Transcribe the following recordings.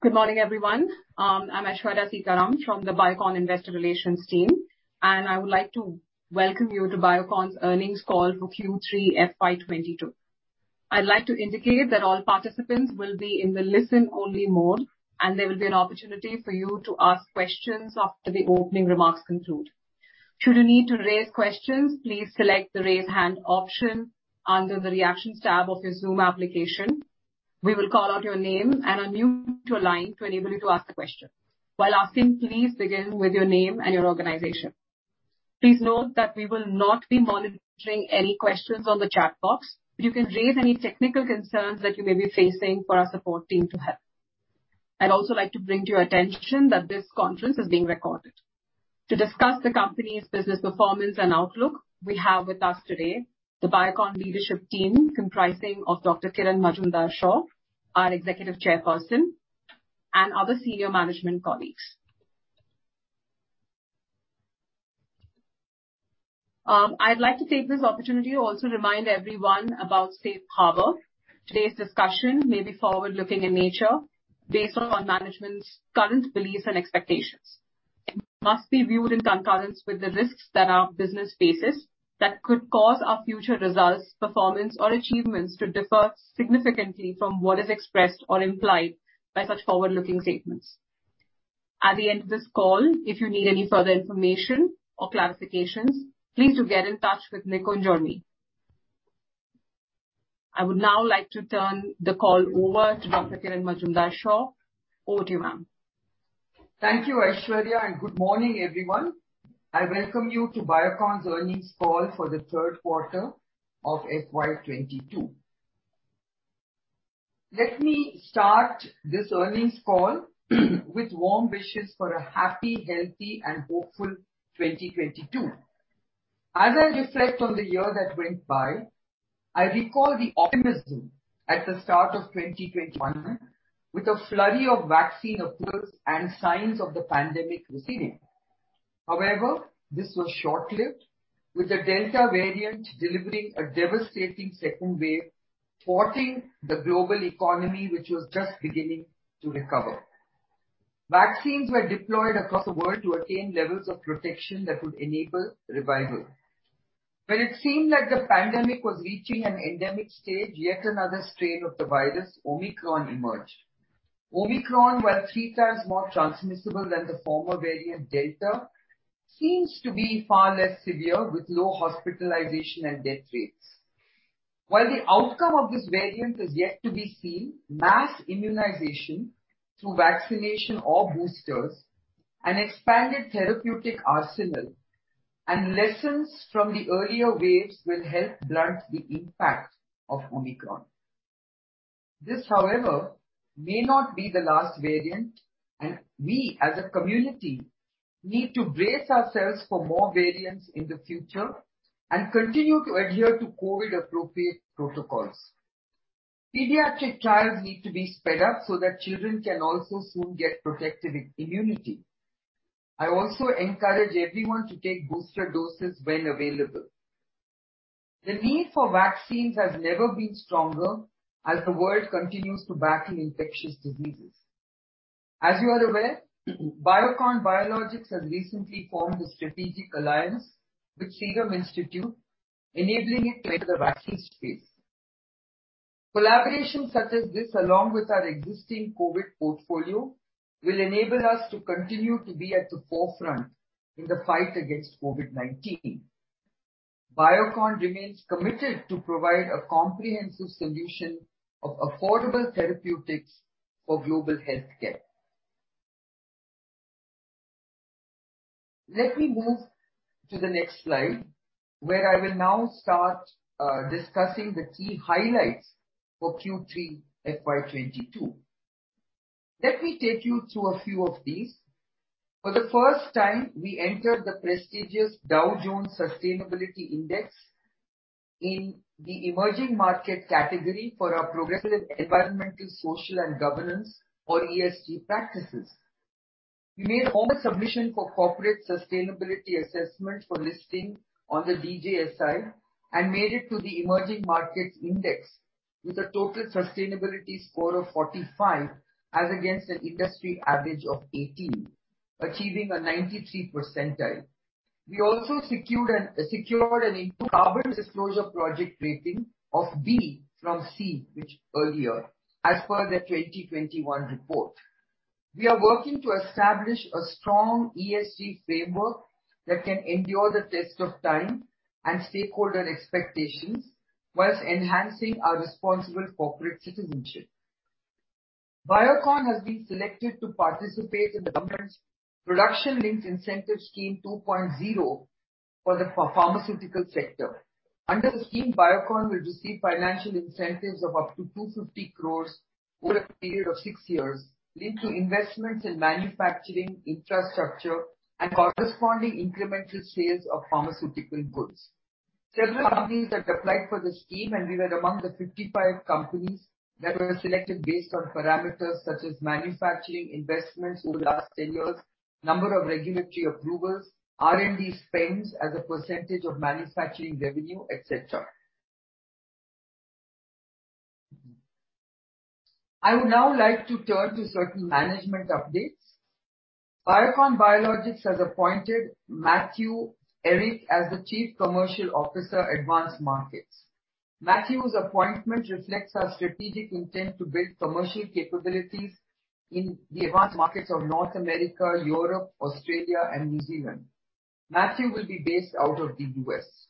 Good morning, everyone. I'm Aishwarya Sitharam from the Biocon Investor Relations team, and I would like to welcome you to Biocon's earnings call for Q3 FY 2022. I'd like to indicate that all participants will be in the listen-only mode, and there will be an opportunity for you to ask questions after the opening remarks conclude. Should you need to raise questions, please select the Raise Hand option under the Reactions tab of your Zoom application. We will call out your name and unmute your line to enable you to ask the question. While asking, please begin with your name and your organization. Please note that we will not be monitoring any questions on the chat box. You can raise any technical concerns that you may be facing for our support team to help. I'd also like to bring to your attention that this conference is being recorded. To discuss the company's business performance and outlook, we have with us today the Biocon leadership team comprising of Dr. Kiran Mazumdar-Shaw, our executive chairperson, and other senior management colleagues. I'd like to take this opportunity also to remind everyone about Safe Harbor. Today's discussion may be forward-looking in nature based on management's current beliefs and expectations. It must be viewed in concurrence with the risks that our business faces that could cause our future results, performance, or achievements to differ significantly from what is expressed or implied by such forward-looking statements. At the end of this call, if you need any further information or clarifications, please do get in touch with Nick or Johnny. I would now like to turn the call over to Dr. Kiran Mazumdar-Shaw. Over to you, ma'am. Thank you, Aishwarya, and good morning, everyone. I welcome you to Biocon's earnings call for the third quarter of FY 2022. Let me start this earnings call with warm wishes for a happy, healthy, and hopeful 2022. As I reflect on the year that went by, I recall the optimism at the start of 2021 with a flurry of vaccine approvals and signs of the pandemic receding. However, this was short-lived, with the Delta variant delivering a devastating second wave, thwarting the global economy, which was just beginning to recover. Vaccines were deployed across the world to attain levels of protection that would enable revival. When it seemed like the pandemic was reaching an endemic stage, yet another strain of the virus, Omicron, emerged. Omicron, while three times more transmissible than the former variant Delta, seems to be far less severe, with low hospitalization and death rates. While the outcome of this variant is yet to be seen, mass immunization through vaccination or boosters, an expanded therapeutic arsenal, and lessons from the earlier waves will help blunt the impact of Omicron. This, however, may not be the last variant, and we, as a community, need to brace ourselves for more variants in the future and continue to adhere to COVID-appropriate protocols. Pediatric trials need to be sped up so that children can also soon get protective immunity. I also encourage everyone to take booster doses when available. The need for vaccines has never been stronger as the world continues to battle infectious diseases. As you are aware, Biocon Biologics has recently formed a strategic alliance with Serum Institute, enabling it to enter the vaccine space. Collaboration such as this, along with our existing COVID portfolio, will enable us to continue to be at the forefront in the fight against COVID-19. Biocon remains committed to provide a comprehensive solution of affordable therapeutics for global healthcare. Let me move to the next slide, where I will now start discussing the key highlights for Q3 FY 2022. Let me take you through a few of these. For the first time, we entered the prestigious Dow Jones Sustainability Index in the Emerging Markets category for our progressive environmental, social, and governance, or ESG, practices. We made all the submission for corporate sustainability assessment for listing on the DJSI and made it to the Emerging Markets Index with a total sustainability score of 45 as against an industry average of 18, achieving a 93rd percentile. We also secured an improved carbon disclosure project rating of B from CDP, which earlier, as per the 2021 report. We are working to establish a strong ESG framework that can endure the test of time and stakeholder expectations while enhancing our responsible corporate citizenship. Biocon has been selected to participate in the government's Production Linked Incentive Scheme 2.0 for the pharmaceutical sector. Under the scheme, Biocon will receive financial incentives of up to 250 crores over a period of six years linked to investments in manufacturing infrastructure and corresponding incremental sales of pharmaceutical goods. Several companies had applied for the scheme, and we were among the 55 companies that were selected based on parameters such as manufacturing investments over the last 10 years, number of regulatory approvals, R&D spends as a percentage of manufacturing revenue, et cetera. I would now like to turn to certain management updates. Biocon Biologics has appointed Matthew Erick as the Chief Commercial Officer, Advanced Markets. Matthew's appointment reflects our strategic intent to build commercial capabilities in the advanced markets of North America, Europe, Australia and New Zealand. Matthew will be based out of the U.S.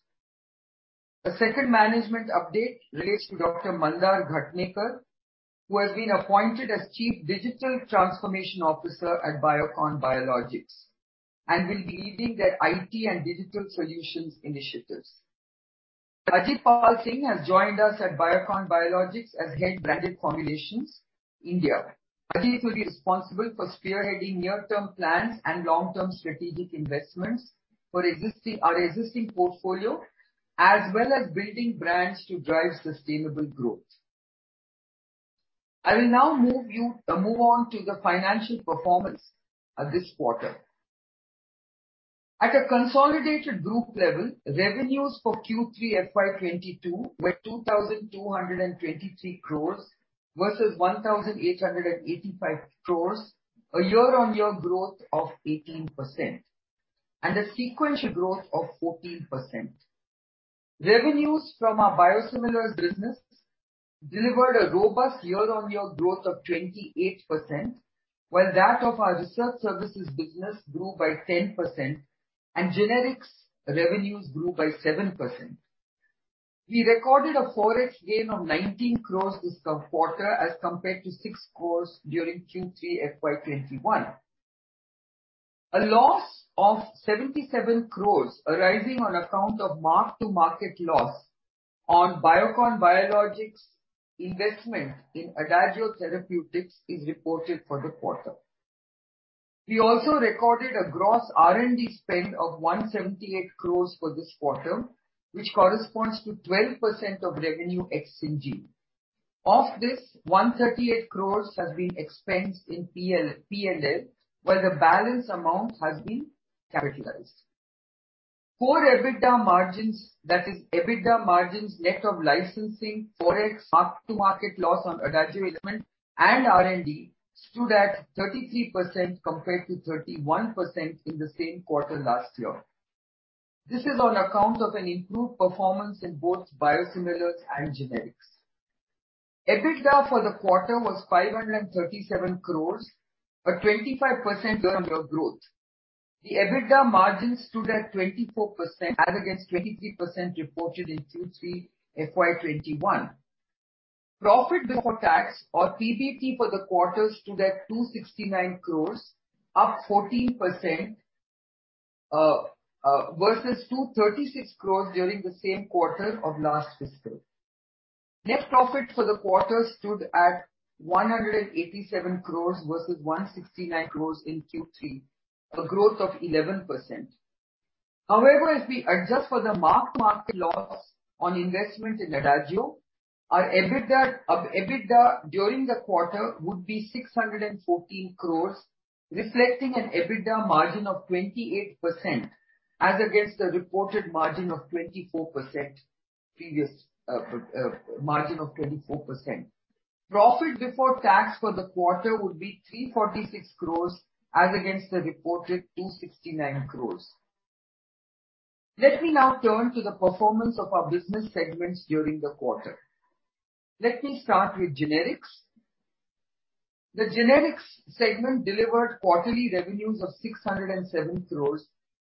The second management update relates to Dr. Mandar Ghatnekar, who has been appointed as Chief Digital Transformation Officer at Biocon Biologics, and will be leading the IT and digital solutions initiatives. Ajit Pal Singh has joined us at Biocon Biologics as Head Branded Formulations, India. Ajit will be responsible for spearheading near-term plans and long-term strategic investments for our existing portfolio, as well as building brands to drive sustainable growth. I will now move on to the financial performance of this quarter. At a consolidated group level, revenues for Q3 FY 2022 were 2,223 crores, versus 1,885 crores, a year-on-year growth of 18%, and a sequential growth of 14%. Revenues from our biosimilars business delivered a robust year-on-year growth of 28%, while that of our research services business grew by 10%, and generics revenues grew by 7%. We recorded a ForEx gain of 19 crores this quarter, as compared to 6 crores during Q3 FY 2021. A loss of 77 crore arising on account of mark-to-market loss on Biocon Biologics investment in Adagio Therapeutics is reported for the quarter. We also recorded a gross R&D spend of 178 crore for this quarter, which corresponds to 12% of revenue ex-IndG. Of this, 138 crore has been expensed in P&L, while the balance amount has been capitalized. Core EBITDA margins, that is, EBITDA margins net of licensing, ForEx, mark-to-market loss on Adagio investment, and R&D stood at 33%, compared to 31% in the same quarter last year. This is on account of an improved performance in both biosimilars and generics. EBITDA for the quarter was 537 crore, a 25% year-on-year growth. The EBITDA margin stood at 24% as against 23% reported in Q3 FY 2021. Profit before tax, or PBT, for the quarter stood at 269 crores, up 14%, versus 236 crores during the same quarter of last fiscal. Net profit for the quarter stood at 187 crores, versus 169 crores in Q3, a growth of 11%. However, if we adjust for the mark-to-market loss on investment in Adagio, our EBITDA during the quarter would be 614 crores, reflecting an EBITDA margin of 28% as against the reported margin of 24% previous, margin of 24%. Profit before tax for the quarter would be 346 crores as against the reported 269 crores. Let me now turn to the performance of our business segments during the quarter. Let me start with generics. The generics segment delivered quarterly revenues of 607 crore,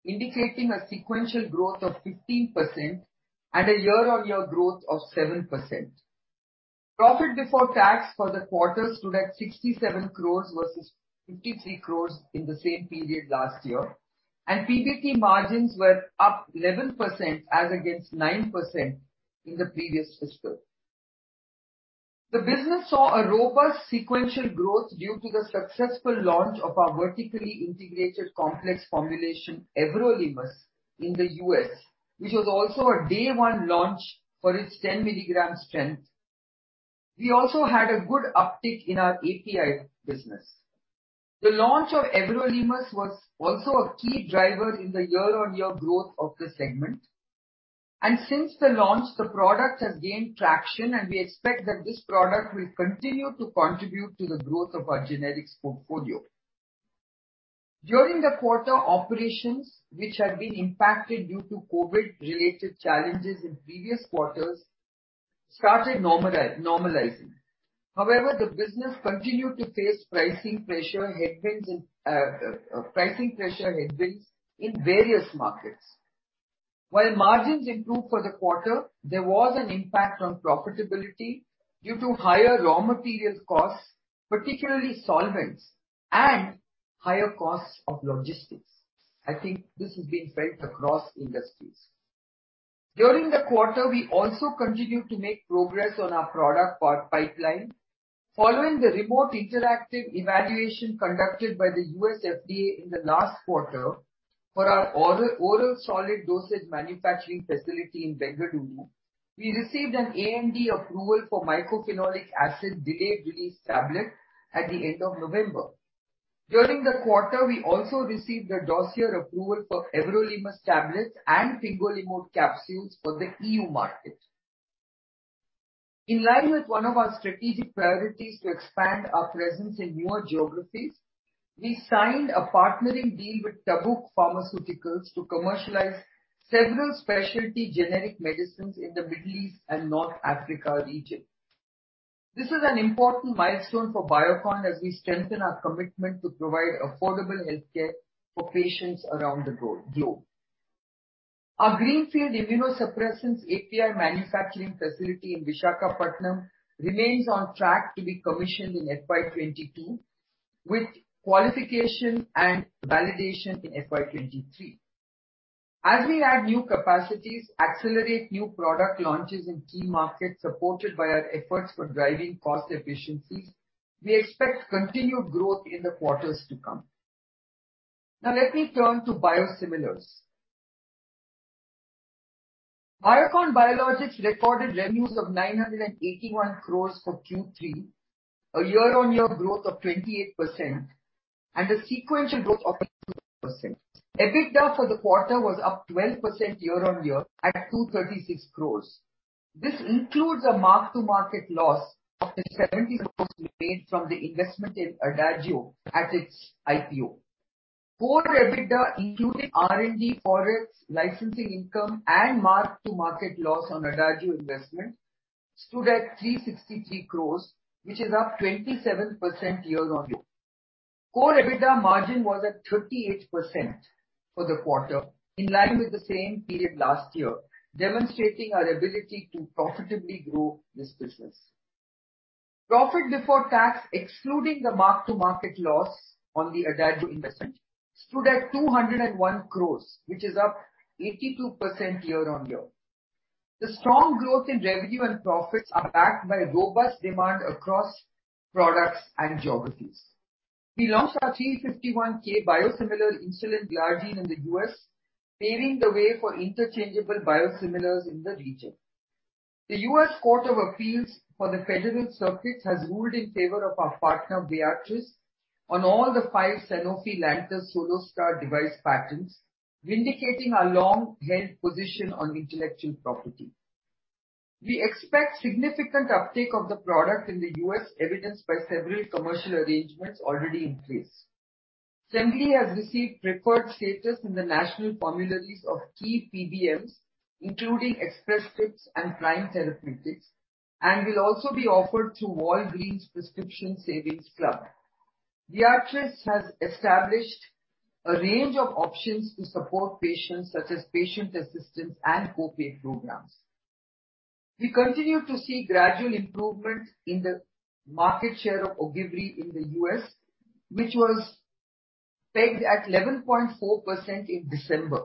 indicating a sequential growth of 15% and a year-on-year growth of 7%. Profit before tax for the quarter stood at 67 crore versus 53 crore in the same period last year, and PBT margins were up 11% as against 9% in the previous fiscal. The business saw a robust sequential growth due to the successful launch of our vertically integrated complex formulation, everolimus, in the U.S., which was also a day one launch for its 10 milligram strength. We also had a good uptick in our API business. The launch of everolimus was also a key driver in the year-on-year growth of the segment. Since the launch, the product has gained traction, and we expect that this product will continue to contribute to the growth of our generics portfolio. During the quarter, operations which had been impacted due to COVID-19-related challenges in previous quarters started normalizing. However, the business continued to face pricing pressure headwinds in various markets. While margins improved for the quarter, there was an impact on profitability due to higher raw material costs, particularly solvents and higher costs of logistics. I think this has been felt across industries. During the quarter, we also continued to make progress on our product pipeline. Following the remote interactive evaluation conducted by the U.S. FDA in the last quarter for our oral solid dosage manufacturing facility in Bengaluru, we received an ANDA approval for mycophenolic acid delayed-release tablet at the end of November. During the quarter, we also received the dossier approval for everolimus tablets and fingolimod capsules for the EU market. In line with one of our strategic priorities to expand our presence in newer geographies, we signed a partnering deal with Tabuk Pharmaceuticals to commercialize several specialty generic medicines in the Middle East and North Africa region. This is an important milestone for Biocon as we strengthen our commitment to provide affordable health care for patients around the globe. Our greenfield immunosuppressants API manufacturing facility in Visakhapatnam remains on track to be commissioned in FY 2022, with qualification and validation in FY 2023. As we add new capacities, accelerate new product launches in key markets supported by our efforts for driving cost efficiencies, we expect continued growth in the quarters to come. Now let me turn to biosimilars. Biocon Biologics recorded revenues of 981 crores for Q3, a year-on-year growth of 28% and a sequential growth of 2%. EBITDA for the quarter was up 12% year-on-year at 236 crores. This includes a mark-to-market loss of 70 crores we made from the investment in Adagio at its IPO. Core EBITDA, including R&D, Forex, licensing income, and mark-to-market loss on Adagio investment, stood at 363 crores, which is up 27% year-on-year. Core EBITDA margin was at 38% for the quarter, in line with the same period last year, demonstrating our ability to profitably grow this business. Profit before tax, excluding the mark-to-market loss on the Adagio investment, stood at 201 crores, which is up 82% year-on-year. The strong growth in revenue and profits are backed by robust demand across products and geographies. We launched our 351(k) biosimilar insulin glargine in the U.S., paving the way for interchangeable biosimilars in the region. The United States Court of Appeals for the Federal Circuit has ruled in favor of our partner, Viatris, on all five Sanofi Lantus SoloSTAR device patents, vindicating our long-held position on intellectual property. We expect significant uptake of the product in the U.S., evidenced by several commercial arrangements already in place. Semglee has received preferred status in the national formularies of key PBMs, including Express Scripts and Prime Therapeutics, and will also be offered through Walgreens Prescription Savings Club. Viatris has established a range of options to support patients, such as patient assistance and co-pay programs. We continue to see gradual improvement in the market share of Ogivri in the U.S., which was pegged at 11.4% in December.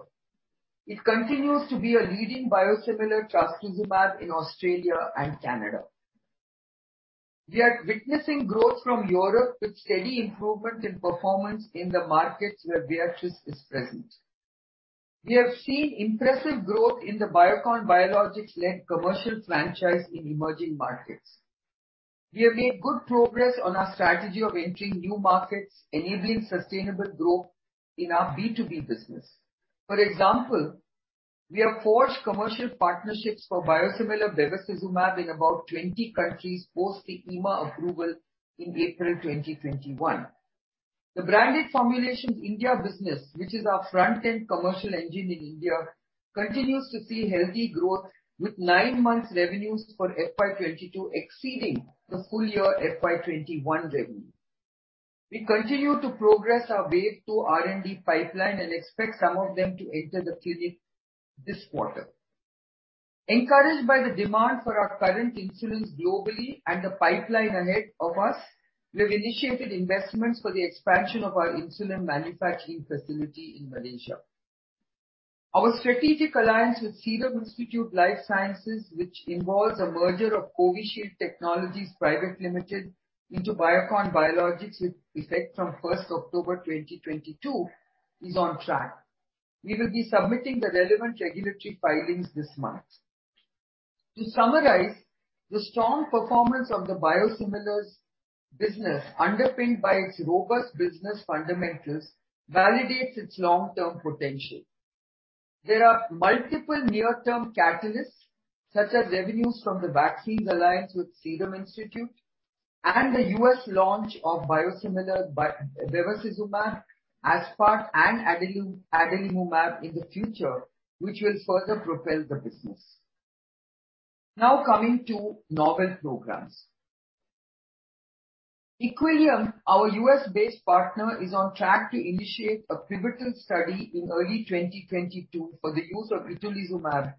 It continues to be a leading biosimilar trastuzumab in Australia and Canada. We are witnessing growth from Europe with steady improvement in performance in the markets where Viatris is present. We have seen impressive growth in the Biocon Biologics-led commercial franchise in emerging markets. We have made good progress on our strategy of entering new markets, enabling sustainable growth in our B2B business. For example, we have forged commercial partnerships for biosimilar bevacizumab in about 20 countries post the EMA approval in April 2021. The Branded Formulations India business, which is our front-end commercial engine in India, continues to see healthy growth with nine months revenues for FY 2022 exceeding the full year FY 2021 revenue. We continue to progress our way through R&D pipeline and expect some of them to enter the clinic this quarter. Encouraged by the demand for our current insulins globally and the pipeline ahead of us, we have initiated investments for the expansion of our insulin manufacturing facility in Malaysia. Our strategic alliance with Serum Institute Life Sciences, which involves a merger of Covidshield Technologies Private Limited into Biocon Biologics with effect from 1 October 2022, is on track. We will be submitting the relevant regulatory filings this month. To summarize, the strong performance of the biosimilars business, underpinned by its robust business fundamentals, validates its long-term potential. There are multiple near-term catalysts, such as revenues from the vaccines alliance with Serum Institute and the U.S. launch of biosimilar bevacizumab, aspart and adalimumab in the future, which will further propel the business. Now coming to novel programs. Equillium, our U.S.-based partner, is on track to initiate a pivotal study in early 2022 for the use of itolizumab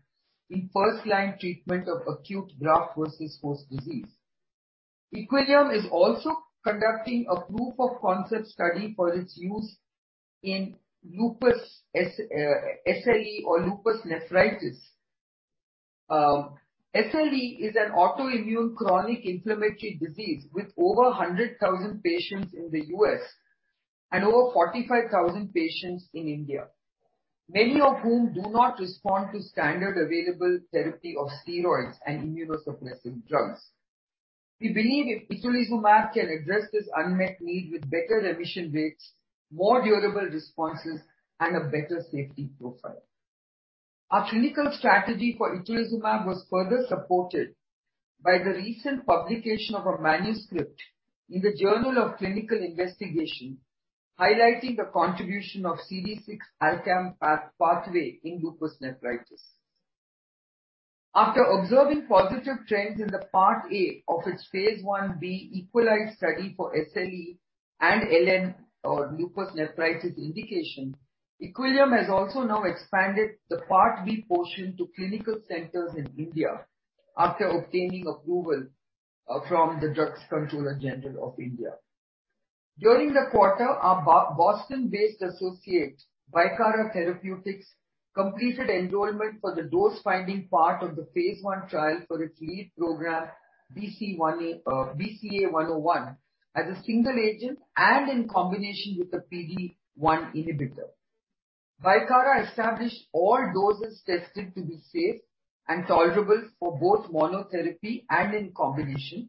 in first-line treatment of acute graft versus host disease. Equillium is also conducting a proof-of-concept study for its use in lupus SLE or lupus nephritis. SLE is an autoimmune chronic inflammatory disease with over 100,000 patients in the U.S. and over 45,000 patients in India. Many of whom do not respond to standard available therapy of steroids and immunosuppressive drugs. We believe itolizumab can address this unmet need with better remission rates, more durable responses, and a better safety profile. Our clinical strategy for itolizumab was further supported by the recent publication of a manuscript in the Journal of Clinical Investigation, highlighting the contribution of CD6-ALCAM pathway in lupus nephritis. After observing positive trends in the part A of its phase I-B EQUALISE study for SLE and LN or lupus nephritis indication, Equillium has also now expanded the part B portion to clinical centers in India after obtaining approval from the Drugs Controller General of India. During the quarter, our Boston-based associate, Bicara Therapeutics, completed enrollment for the dose-finding part of the phase I trial for its lead program, BCA-101, as a single agent and in combination with a PD-1 inhibitor. Bicara established all doses tested to be safe and tolerable for both monotherapy and in combination,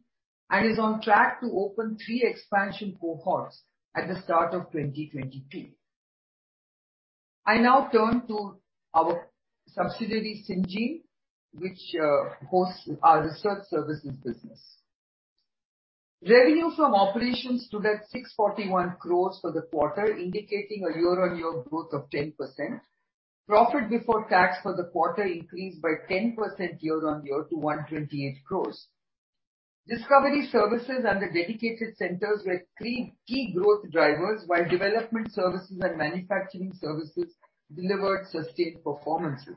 and is on track to open three expansion cohorts at the start of 2022. I now turn to our subsidiary, Syngene, which hosts our research services business. Revenue from operations stood at 641 crores for the quarter, indicating a year-on-year growth of 10%. Profit before tax for the quarter increased by 10% year-on-year to 128 crore. Discovery services and the dedicated centers were three key growth drivers, while development services and manufacturing services delivered sustained performances.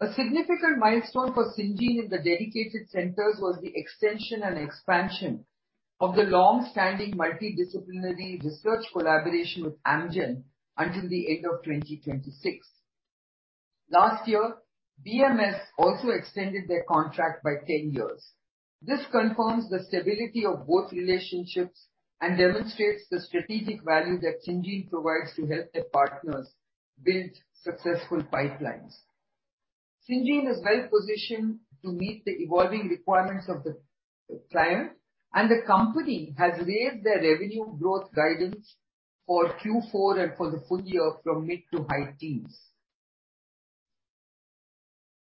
A significant milestone for Syngene in the dedicated centers was the extension and expansion of the long-standing multidisciplinary research collaboration with Amgen until the end of 2026. Last year, BMS also extended their contract by 10 years. This confirms the stability of both relationships and demonstrates the strategic value that Syngene provides to help their partners build successful pipelines. Syngene is well positioned to meet the evolving requirements of the client, and the company has raised their revenue growth guidance for Q4 and for the full year from mid to high teens.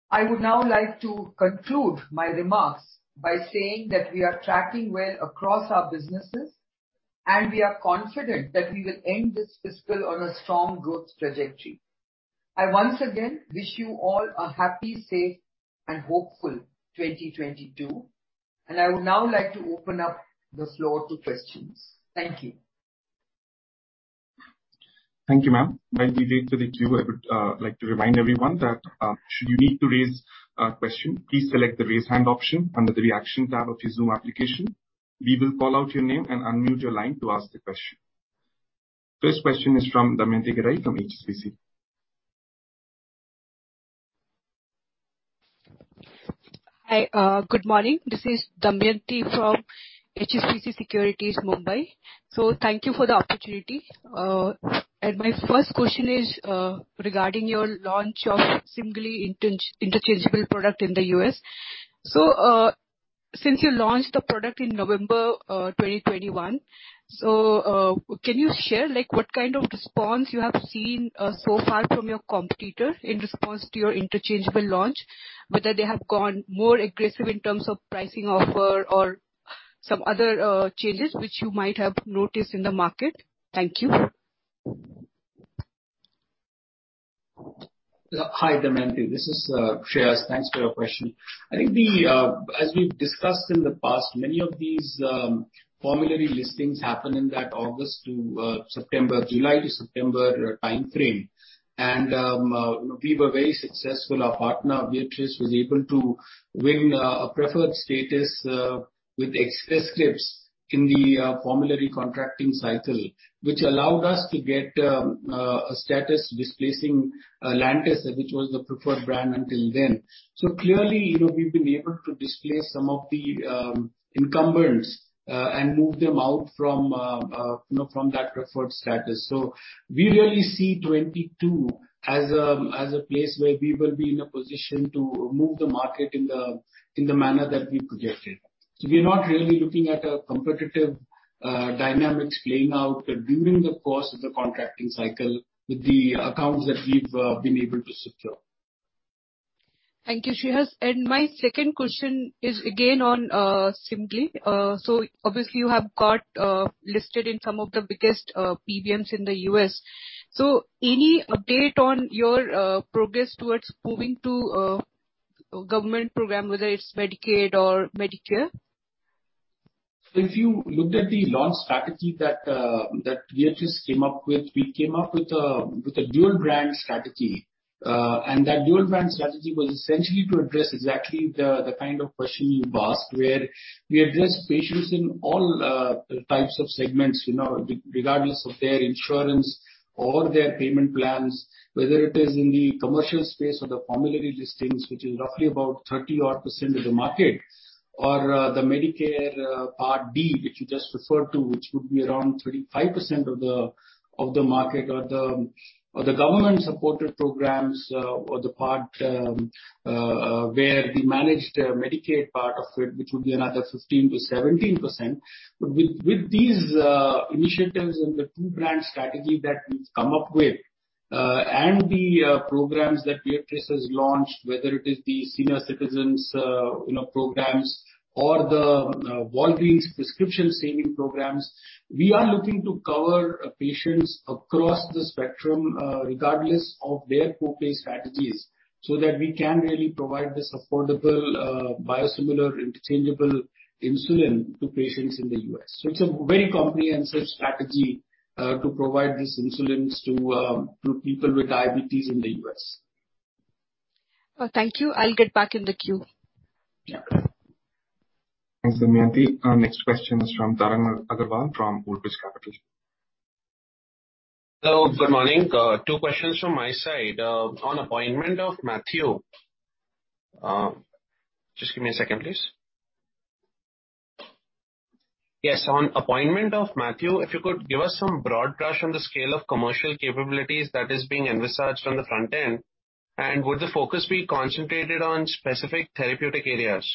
I would now like to conclude my remarks by saying that we are tracking well across our businesses, and we are confident that we will end this fiscal on a strong growth trajectory. I once again wish you all a happy, safe, and hopeful 2022, and I would now like to open up the floor to questions. Thank you. Thank you, ma'am. While we wait for the queue, I would like to remind everyone that should you need to raise a question, please select the Raise Hand option under the Action tab of your Zoom application. We will call out your name and unmute your line to ask the question. First question is from Damayanti Kerai from HSBC. Hi. Good morning. This is Damayanti from HSBC Securities, Mumbai. Thank you for the opportunity. My first question is regarding your launch of Semglee interchangeable product in the U.S. Since you launched the product in November 2021, can you share like what kind of response you have seen so far from your competitor in response to your interchangeable launch, whether they have gone more aggressive in terms of pricing offer or some other changes which you might have noticed in the market? Thank you. Hi, Damayanti. This is Shreehas. Thanks for your question. I think as we've discussed in the past, many of these formulary listings happen in that July to September timeframe. We were very successful. Our partner, Viatris, was able to win a preferred status with Express Scripts in the formulary contracting cycle, which allowed us to get a status displacing Lantus, which was the preferred brand until then. Clearly, you know, we've been able to displace some of the incumbents and move them out from, you know, from that preferred status. We really see 2022 as a place where we will be in a position to move the market in the manner that we projected. We're not really looking at a competitive dynamics playing out during the course of the contracting cycle with the accounts that we've been able to secure. Thank you, Shreehas. My second question is again on Semglee. Obviously you have got listed in some of the biggest PBMs in the U.S. Any update on your progress towards moving to government program, whether it's Medicaid or Medicare? If you looked at the launch strategy that Viatris came up with, we came up with a dual-brand strategy. That dual-brand strategy was essentially to address exactly the kind of question you've asked, where we address patients in all types of segments, you know, regardless of their insurance or their payment plans, whether it is in the commercial space or the formulary listings, which is roughly about 30-odd% of the market, or the Medicare Part D, which you just referred to, which would be around 35% of the market, or the government-supported programs, or the part where we manage the Medicaid part of it, which would be another 15%-17%. With these initiatives and the two-brand strategy that we've come up with. The programs that Biocon Biologics has launched, whether it is the senior citizens, you know, programs or the Walgreens prescription savings programs, we are looking to cover patients across the spectrum regardless of their co-pay strategies, so that we can really provide this affordable biosimilar interchangeable insulin to patients in the U.S. It's a very comprehensive strategy to provide these insulins to people with diabetes in the U.S. Oh, thank you. I'll get back in the queue. Thanks, Damayanti. Our next question is from Tarang Agarwal from Old Bridge Capital. Hello, good morning. Two questions from my side. On appointment of Matthew, if you could give us some broad brush on the scale of commercial capabilities that is being envisaged on the front end, and would the focus be concentrated on specific therapeutic areas?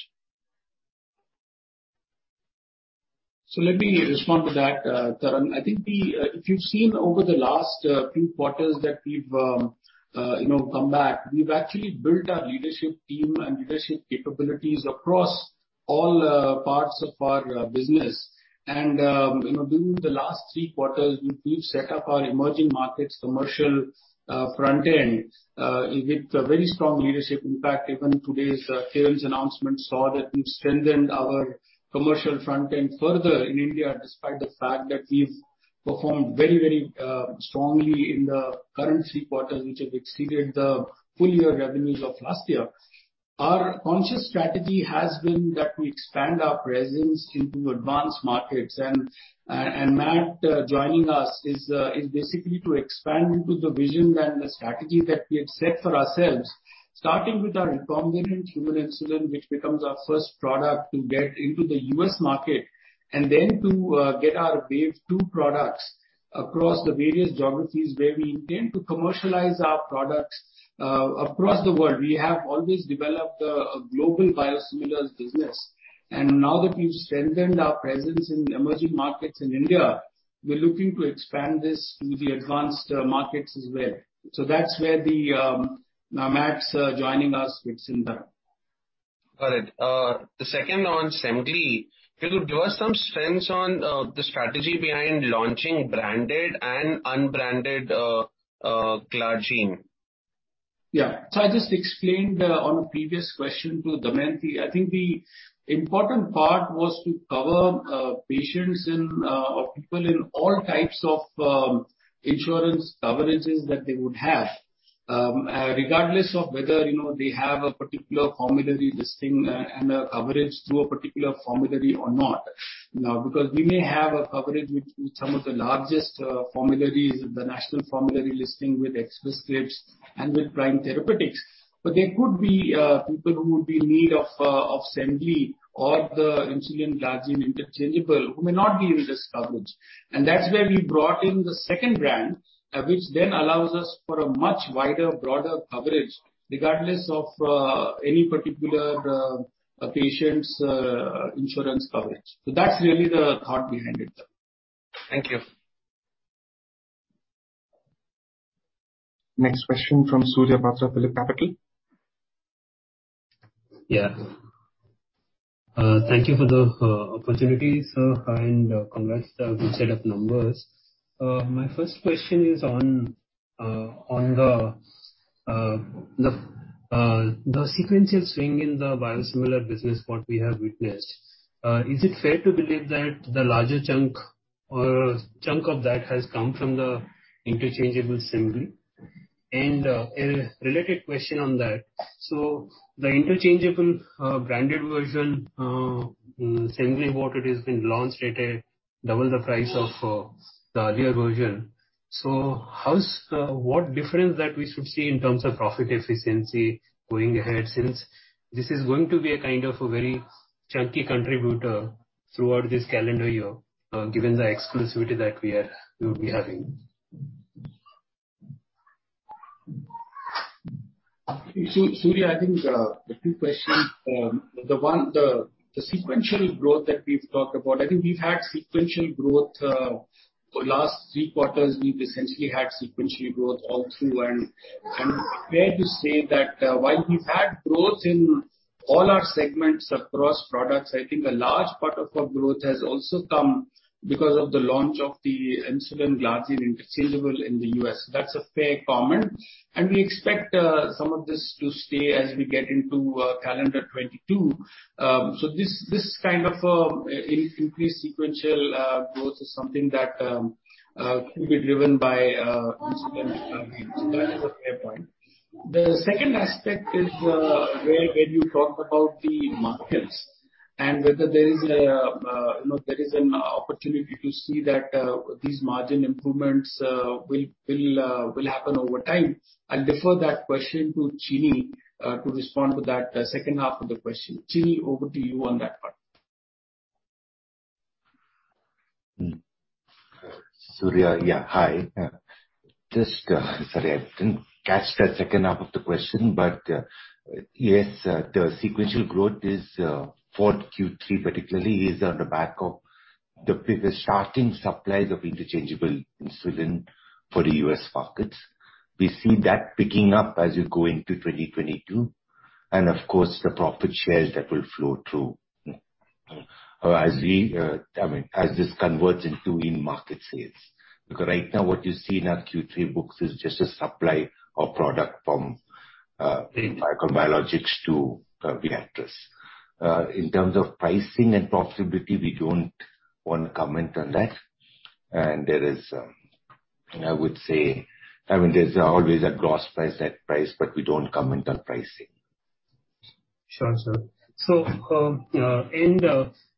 Let me respond to that, Tarang. I think if you've seen over the last few quarters that we've you know come back, we've actually built our leadership team and leadership capabilities across all parts of our business. You know, during the last three quarters, we've set up our emerging markets commercial front end with a very strong leadership. In fact, even today's sales announcement saw that we've strengthened our commercial front end further in India, despite the fact that we've performed very strongly in the current three quarters, which have exceeded the full year revenues of last year. Our conscious strategy has been that we expand our presence into advanced markets. Matthew joining us is basically to expand into the vision and the strategy that we have set for ourselves, starting with our recombinant human insulin, which becomes our first product to get into the U.S. market, and then to get our wave two products across the various geographies where we intend to commercialize our products across the world. We have always developed a global biosimilars business, and now that we've strengthened our presence in emerging markets in India, we're looking to expand this into the advanced markets as well. That's where Matthew's joining us fits in, Tarang. Got it. The second on Semglee. Could you give us some insights on the strategy behind launching branded and unbranded glargine? Yeah. I just explained on a previous question to Damayanti. I think the important part was to cover patients in or people in all types of insurance coverages that they would have regardless of whether, you know, they have a particular formulary listing and a coverage through a particular formulary or not. Now, because we may have a coverage with some of the largest formularies, the national formulary listing with Express Scripts and with Prime Therapeutics. There could be people who would be in need of Semglee or the insulin glargine interchangeable who may not be in this coverage. That's where we brought in the second brand which then allows us for a much wider, broader coverage regardless of any particular a patient's insurance coverage. That's really the thought behind it. Thank you. Next question from Surya Patra, PhillipCapital. Yeah. Thank you for the opportunity, sir, and congrats, good set of numbers. My first question is on the sequential swing in the biosimilar business, what we have witnessed. Is it fair to believe that the larger chunk of that has come from the interchangeable Semglee? A related question on that. The interchangeable branded version, Semglee Bota, it has been launched at double the price of the earlier version. How's what difference that we should see in terms of profit efficiency going ahead, since this is going to be a kind of a very chunky contributor throughout this calendar year, given the exclusivity that we'll be having? Surya, I think the two questions, the sequential growth that we've talked about, I think we've had sequential growth for last three quarters, we've essentially had sequential growth all through. Fair to say that while we've had growth in all our segments across products, I think a large part of our growth has also come because of the launch of the insulin glargine interchangeable in the U.S. That's a fair comment. We expect some of this to stay as we get into calendar 2022. This kind of increased sequential growth is something that can be driven by insulin glargine. That is a fair point. The second aspect is, where you talk about the margins and whether there is a, you know, there is an opportunity to see that, these margin improvements, will happen over time. I'll defer that question to Chini, to respond to that second half of the question. Chini, over to you on that part. Surya. Yeah, hi. Sorry, I didn't catch the second half of the question, but yes, the sequential growth is for Q3 particularly on the back of the starting supplies of interchangeable insulin for the U.S. markets. We see that picking up as we go into 2022. Of course, the profit share that will flow through. I mean, as this converts into in-market sales. Because right now what you see in our Q3 books is just a supply of product from Biocon Biologics to Viatris. In terms of pricing and profitability, we don't want to comment on that. There is, I would say, I mean, there's always a gross price, net price, but we don't comment on pricing. Sure, sir.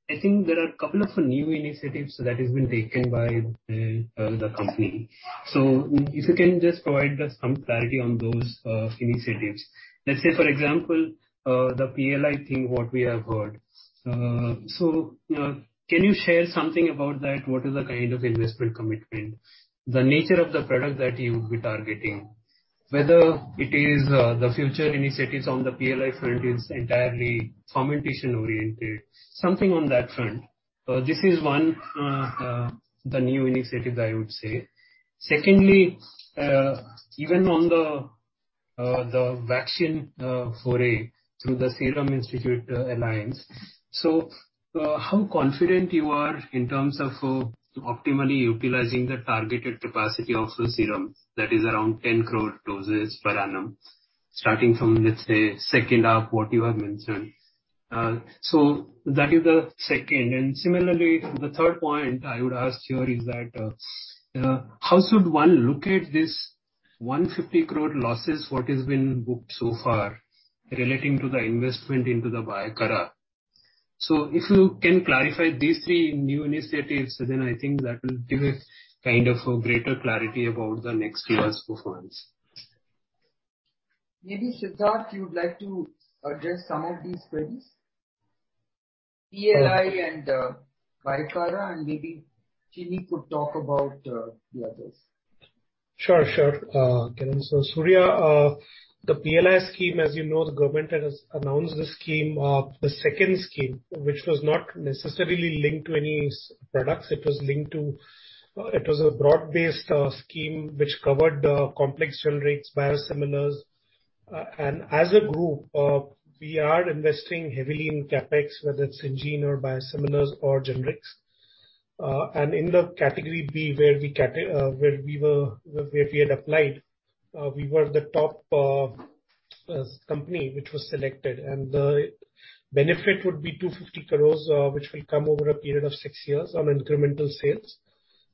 I think there are a couple of new initiatives that has been taken by the company. If you can just provide us some clarity on those initiatives. Let's say for example, the PLI thing, what we have heard. You know, can you share something about that? What is the kind of investment commitment, the nature of the product that you would be targeting, whether it is the future initiatives on the PLI front is entirely fermentation-oriented, something on that front. This is one, the new initiatives I would say. Secondly, even on the vaccine foray through the Serum Institute alliance. How confident you are in terms of optimally utilizing the targeted capacity of the Serum that is around 10 crore doses per annum, starting from, let's say, second half what you have mentioned. That is the second. And similarly, the third point I would ask here is that, how should one look at this 150 crore losses, what has been booked so far relating to the investment into the Bicara. If you can clarify these three new initiatives, then I think that will give a kind of a greater clarity about the next year's performance. Maybe, Siddharth, you would like to address some of these queries, PLI and Bicara, and maybe Chinni could talk about the others. Sure, I can. Surya, the PLI scheme, as you know, the government has announced the scheme, the second scheme, which was not necessarily linked to any products. It was linked to a broad-based scheme which covered the complex generics, biosimilars. As a group, we are investing heavily in CapEx, whether it's in Syngene or biosimilars or generics. In the category B where we were, where we had applied, we were the top company which was selected, and the benefit would be 250 crore, which will come over a period of six years on incremental sales.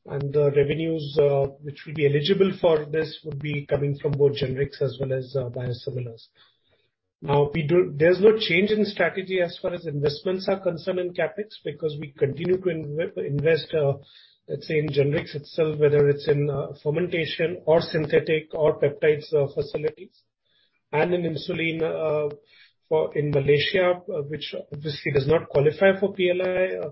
The revenues, which will be eligible for this would be coming from both generics as well as biosimilars. There's no change in strategy as far as investments are concerned in CapEx, because we continue to invest, let's say in generics itself, whether it's in fermentation or synthetic or peptides facilities and in insulin for in Malaysia, which obviously does not qualify for PLI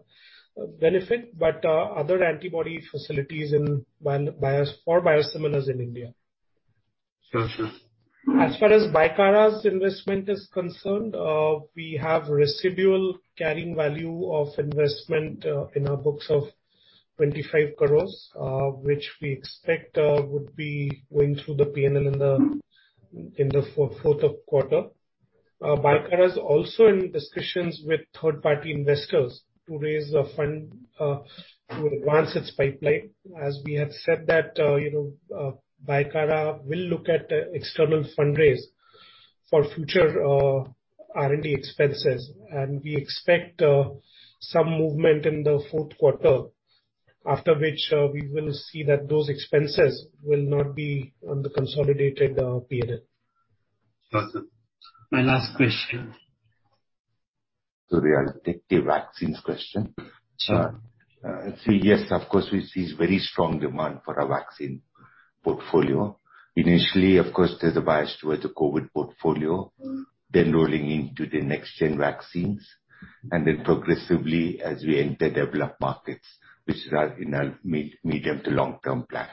benefit, but other antibody facilities in bios for biosimilars in India. Sure. Sure. As far as Bicara's investment is concerned, we have residual carrying value of investment in our books of 25 crore, which we expect would be going through the P&L in the fourth quarter. Bicara is also in discussions with third-party investors to raise the fund to advance its pipeline. As we have said that, you know, Bicara will look at external fundraise for future R&D expenses, and we expect some movement in the fourth quarter, after which we will see that those expenses will not be on the consolidated P&L. Got it. My last question. I'll take the vaccines question. Sure. Yes, of course, we see very strong demand for our vaccine portfolio. Initially, of course, there's a bias towards the COVID portfolio, then rolling into the next-gen vaccines and then progressively as we enter developed markets, which are in our medium- to long-term plan.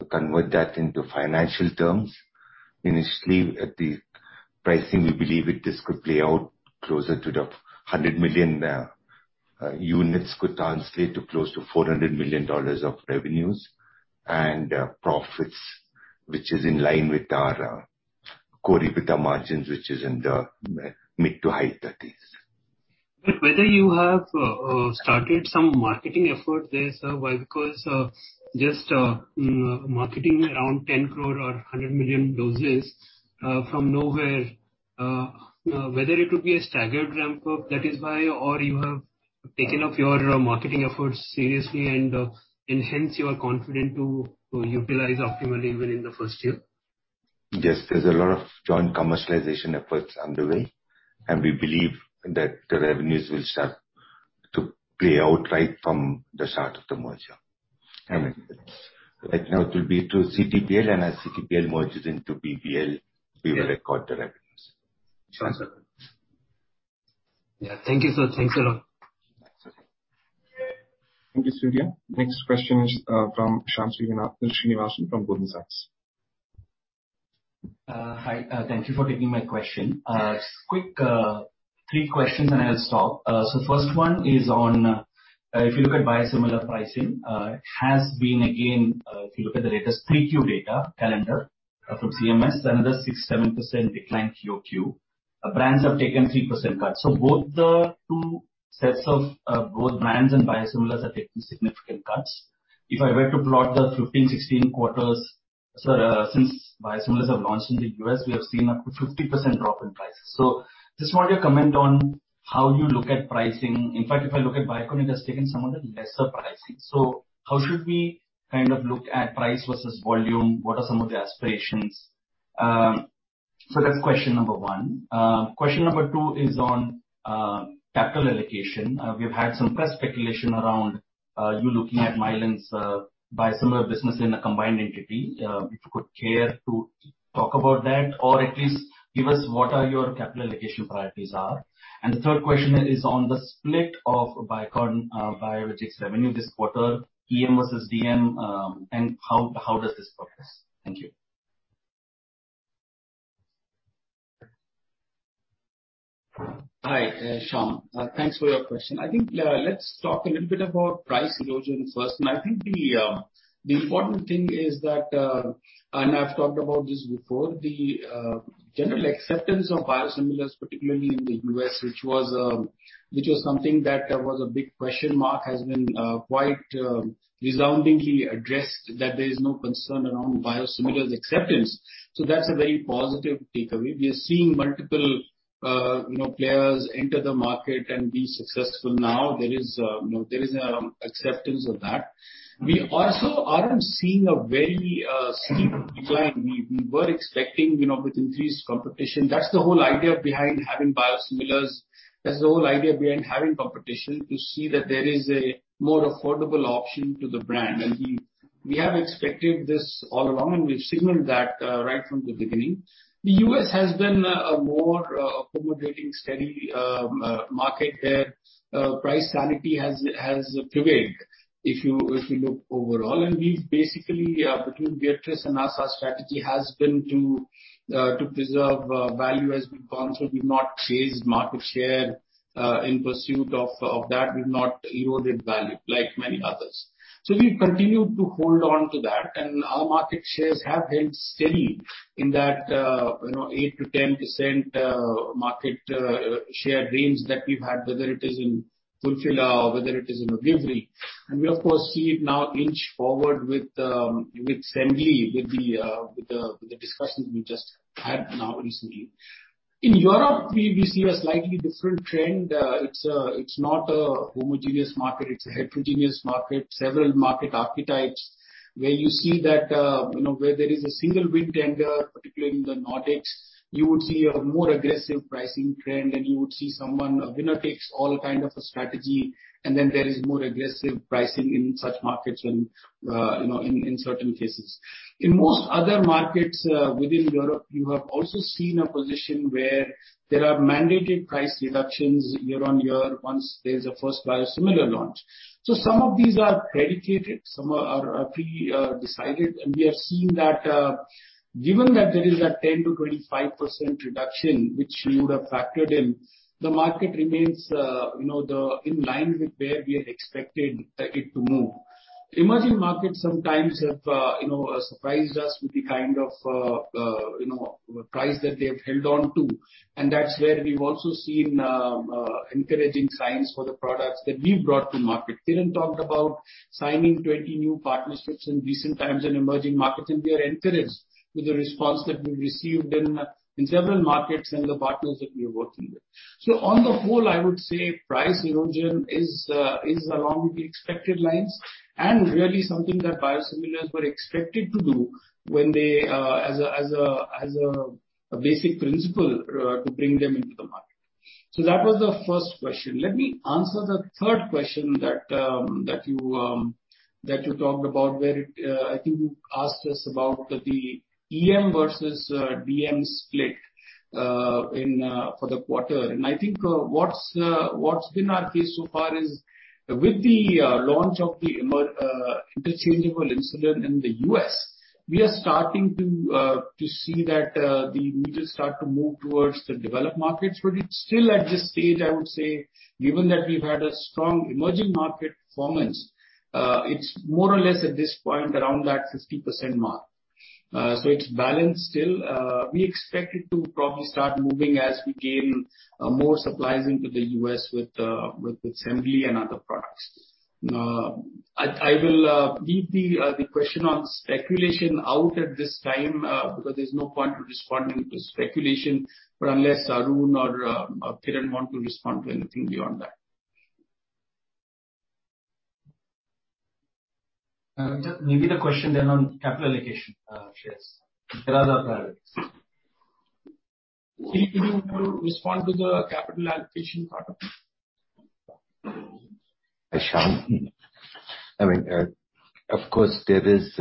To convert that into financial terms, initially at the pricing, we believe it this could play out closer to 100 million units, which could translate to close to $400 million of revenues and profits, which is in line with our core EBITDA margins, which is in the mid- to high 30s%. Whether you have started some marketing effort there, sir, because just marketing around 10 crore or 100 million doses from nowhere, whether it would be a staggered ramp-up, that is why or you have taken up your marketing efforts seriously and hence you are confident to utilize optimally within the first year. Yes, there's a lot of joint commercialization efforts underway, and we believe that the revenues will start to play out right from the start of the merger. I mean, right now it will be through CTPL, and as CTPL merges into BBL, we will record the revenues. Sure. Yeah. Thank you, sir. Thanks a lot. Thank you, Surya. Next question is from Shyam Srinivasan from Goldman Sachs. Hi. Thank you for taking my question. Quick, three questions, and I'll stop. First one is on, if you look at biosimilar pricing, it has been again, if you look at the latest 3Q data calendar, from CMS, another 6%-7% decline QoQ. Brands have taken 3% cut. Both the two sets of both brands and biosimilars have taken significant cuts. If I were to plot the 15-16 quarters, since biosimilars have launched in the U.S., we have seen up to 50% drop in prices. Just want your comment on how you look at pricing. In fact, if I look at Biocon, it has taken some of the lesser pricing. How should we kind of look at price versus volume? What are some of the aspirations? So that's question number one. Question number two is on capital allocation. We've had some press speculation around you looking at Mylan's biosimilar business in a combined entity. If you could care to talk about that or at least give us what are your capital allocation priorities are. The third question is on the split of Biocon Biologics revenue this quarter, EM versus DM, and how does this progress? Thank you. Hi, Shyam. Thanks for your question. I think, let's talk a little bit about price erosion first. I think the important thing is that, and I've talked about this before, the general acceptance of biosimilars, particularly in the U.S., which was something that was a big question mark, has been quite resoundingly addressed. That there is no concern around biosimilars acceptance. That's a very positive takeaway. We are seeing multiple, you know, players enter the market and be successful now. There is, you know, there is acceptance of that. We also aren't seeing a very steep decline we were expecting, you know, with increased competition. That's the whole idea behind having biosimilars. That's the whole idea behind having competition, to see that there is a more affordable option to the brand. We have expected this all along, and we've signaled that right from the beginning. The U.S. has been a more accommodating, steady market where price sanity has prevailed, if you look overall. We've basically, between Viatris and us, our strategy has been to preserve value as we've gone, so we've not chased market share in pursuit of that. We've not eroded value like many others. We've continued to hold on to that. Our market shares have held steady in that, you know, 8%-10% market share range that we've had, whether it is in Fulphila or whether it is in Ogivri. We of course see it now inch forward with Semglee, with the discussions we just had now recently. In Europe, we see a slightly different trend. It's not a homogeneous market, it's a heterogeneous market. Several market archetypes where you see that where there is a single big vendor, particularly in the Nordics, you would see a more aggressive pricing trend and you would see someone, a winner-takes-all kind of a strategy. Then there is more aggressive pricing in such markets when in certain cases. In most other markets within Europe, you have also seen a position where there are mandated price reductions year on year once there's a first biosimilar launch. Some of these are predicated, some are pre decided. We have seen that, given that there is a 10%-25% reduction which you would have factored in, the market remains, you know, in line with where we had expected it to move. Emerging markets sometimes have, you know, surprised us with the kind of, you know, price that they've held on to, and that's where we've also seen, encouraging signs for the products that we've brought to market. Kiran talked about signing 20 new partnerships in recent times in emerging markets, and we are encouraged with the response that we've received in several markets and the partners that we are working with. On the whole, I would say price erosion is along with the expected lines and really something that biosimilars were expected to do when they as a basic principle to bring them into the market. That was the first question. Let me answer the third question that you talked about, where I think you asked us about the EM versus DM split in for the quarter. I think what's been our case so far is with the launch of the interchangeable insulin in the U.S., we are starting to see that the needles start to move towards the developed markets. It's still at this stage, I would say, given that we've had a strong emerging market performance, it's more or less at this point around that 60% mark. It's balanced still. We expect it to probably start moving as we gain more supplies into the U.S. with Semglee and other products. I will leave the question on speculation out at this time because there's no point to responding to speculation, but unless Arun or Kiran want to respond to anything beyond that. Just maybe the question then on capital allocation, yes. What are the priorities? Chini, do you want to respond to the capital allocation part of it? Shyam, I mean, of course there is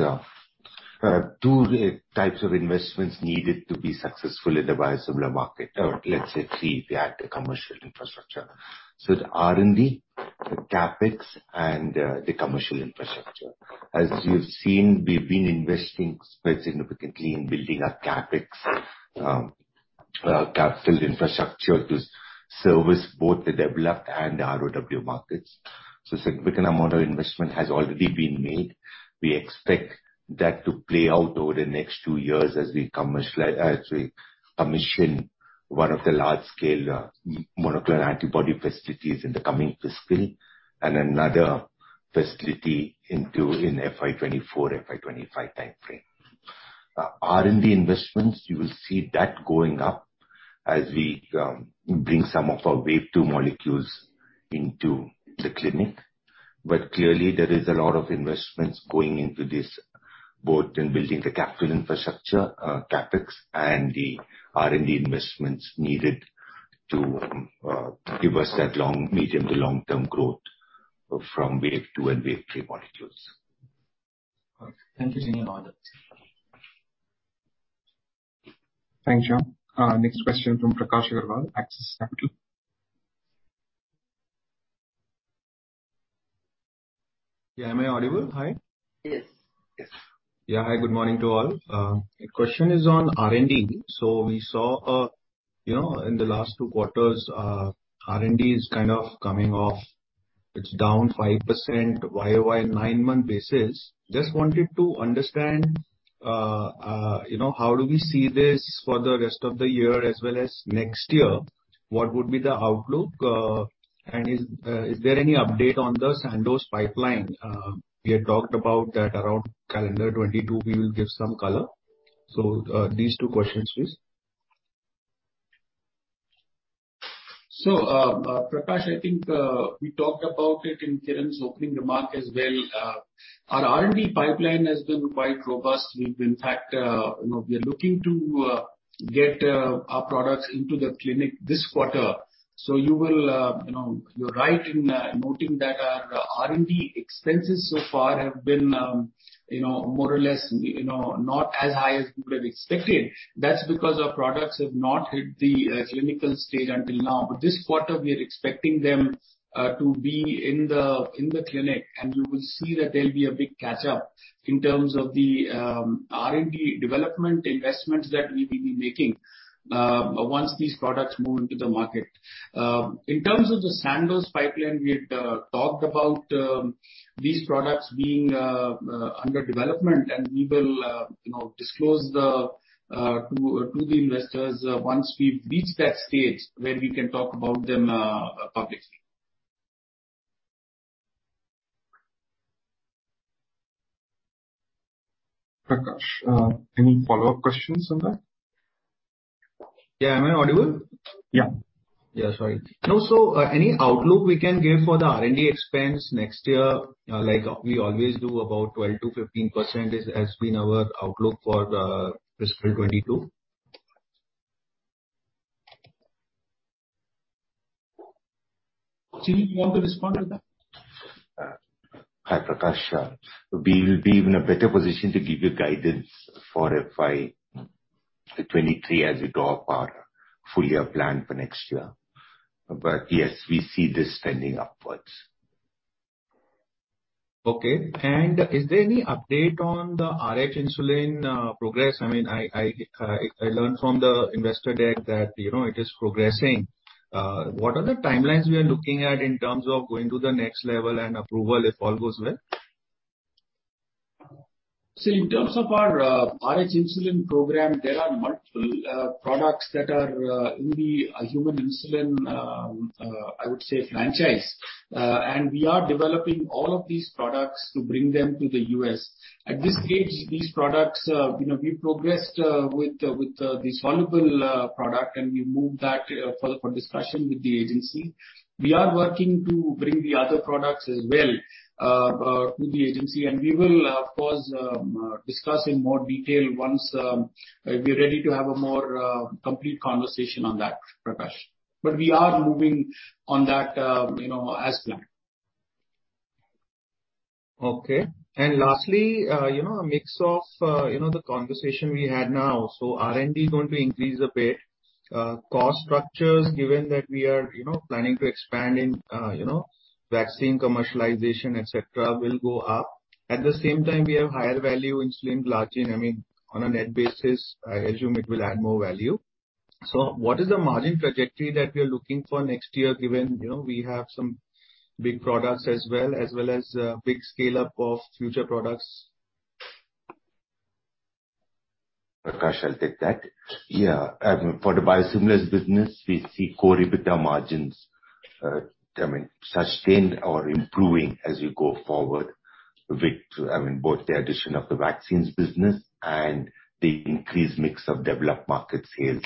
two types of investments needed to be successful in the biosimilar market, or let's say three if you add the commercial infrastructure. The R&D, the CapEx and the commercial infrastructure. As you've seen, we've been investing quite significantly in building our CapEx, capital infrastructure to service both the developed and the ROW markets. Significant amount of investment has already been made. We expect that to play out over the next two years as we commission one of the large-scale, monoclonal antibody facilities in the coming fiscal and another facility in FY 2024, FY 2025 timeframe. R&D investments, you will see that going up as we bring some of our Wave two molecules into the clinic. Clearly there is a lot of investments going into this, both in building the capital infrastructure, CapEx and the R&D investments needed to give us that long, medium to long-term growth from Wave 2 and Wave 3 molecules. Thank you, Senior Management. Thanks, Shyam. Next question from Prakash Agarwal, Axis Capital. Yeah, am I audible? Hi. Yes. Yes. Yeah, hi, good morning to all. The question is on R&D. We saw, you know, in the last two quarters, R&D is kind of coming off. It's down 5% YOY nine-month basis. Just wanted to understand, you know, how do we see this for the rest of the year as well as next year? What would be the outlook? And is there any update on the Sandoz pipeline? We had talked about that around calendar 2022 we will give some color. These two questions, please. Prakash, I think we talked about it in Kiran's opening remark as well. Our R&D pipeline has been quite robust. We've in fact, you know, we are looking to get our products into the clinic this quarter. You will, you know, you're right in noting that our R&D expenses so far have been, you know, more or less, you know, not as high as we would've expected. That's because our products have not hit the clinical stage until now. This quarter we are expecting them to be in the clinic, and you will see that there'll be a big catch-up in terms of the R&D development investments that we will be making once these products move into the market. In terms of the Sandoz pipeline, we had talked about these products being under development, and we will, you know, disclose them to the investors once we've reached that stage where we can talk about them publicly. Prakash, any follow-up questions on that? Yeah. Am I audible? Yeah. Any outlook we can give for the R&D expense next year, like we always do about 12%-15% has been our outlook for FY 2022? Chini, you want to respond to that? Hi, Prakash. We will be in a better position to give you guidance for FY 2023 as we draw up our full year plan for next year. Yes, we see this trending upwards. Okay. Is there any update on the rh insulin progress? I mean, I learned from the investor deck that, you know, it is progressing. What are the timelines we are looking at in terms of going to the next level and approval if all goes well? In terms of our rh-Insulin program, there are multiple products that are in the human insulin franchise. We are developing all of these products to bring them to the U.S. At this stage, these products, you know, we progressed with the soluble product, and we moved that for discussion with the agency. We are working to bring the other products as well to the agency. We will of course discuss in more detail once we're ready to have a more complete conversation on that, Prakash. We are moving on that, you know, as planned. Okay. Lastly, you know, a mix of, you know, the conversation we had now. So R&D is going to increase a bit. Cost structures given that we are, you know, planning to expand in, you know, vaccine commercialization, et cetera, will go up. At the same time, we have higher value insulin glargine. I mean, on a net basis, I assume it will add more value. So what is the margin trajectory that we are looking for next year, given, you know, we have some big products as well as, big scale up of future products? Prakash, I'll take that. Yeah. For the biosimilars business, we see core EBITDA margins, I mean, sustained or improving as you go forward with, I mean, both the addition of the vaccines business and the increased mix of developed market sales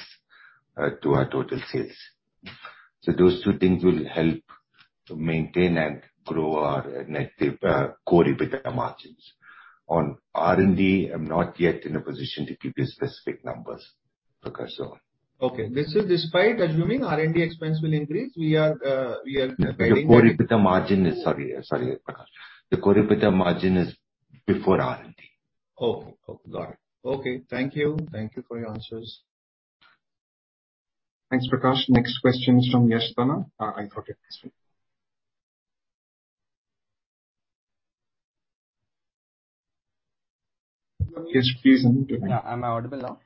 to our total sales. Those two things will help to maintain and grow our core EBITDA margins. On R&D, I'm not yet in a position to give you specific numbers, Prakash. Okay. This is despite assuming R&D expense will increase, we are guiding the- Sorry, Prakash. The core EBITDA margin is before R&D. Oh. Oh, got it. Okay. Thank you. Thank you for your answers. Thanks, Prakash. Next question is from Yash Tanna at iThought Advisory. Yash, please unmute your line.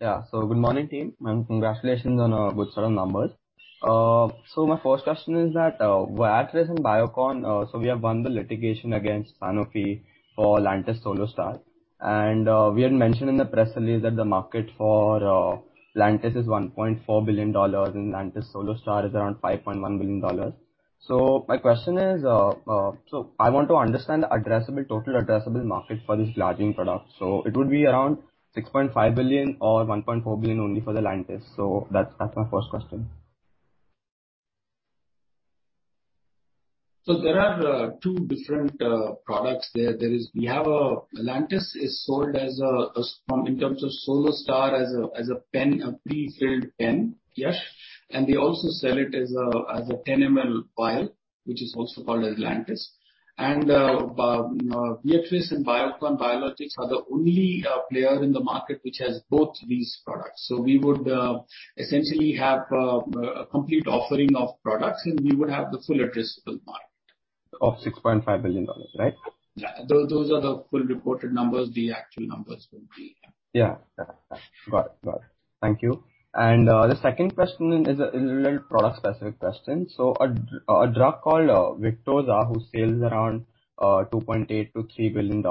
Yeah. Am I audible now? Yeah. Yeah. Good morning team, and congratulations on a good set of numbers. My first question is that, we're addressing Biocon. We have won the litigation against Sanofi for Lantus SoloSTAR. We had mentioned in the press release that the market for Lantus is $1.4 billion and Lantus SoloSTAR is around $5.1 billion. My question is, I want to understand the addressable, total addressable market for this Lantus product. It would be around $6.5 billion or $1.4 billion only for the Lantus. That's my first question. There are two different products there. Lantus is sold as a SoloSTAR, as a pen, a prefilled pen, Yash. They also sell it as a 10 mL vial, which is also called as Lantus. We at Biocon Biologics are the only player in the market which has both these products. We would essentially have a complete offering of products, and we would have the full addressable market. Of $6.5 billion, right? Yeah. Those are the full reported numbers. The actual numbers will be. Yeah. Got it. Thank you. The second question is a little product specific question. A drug called Victoza, whose sales around $2.8 billion-$3 billion.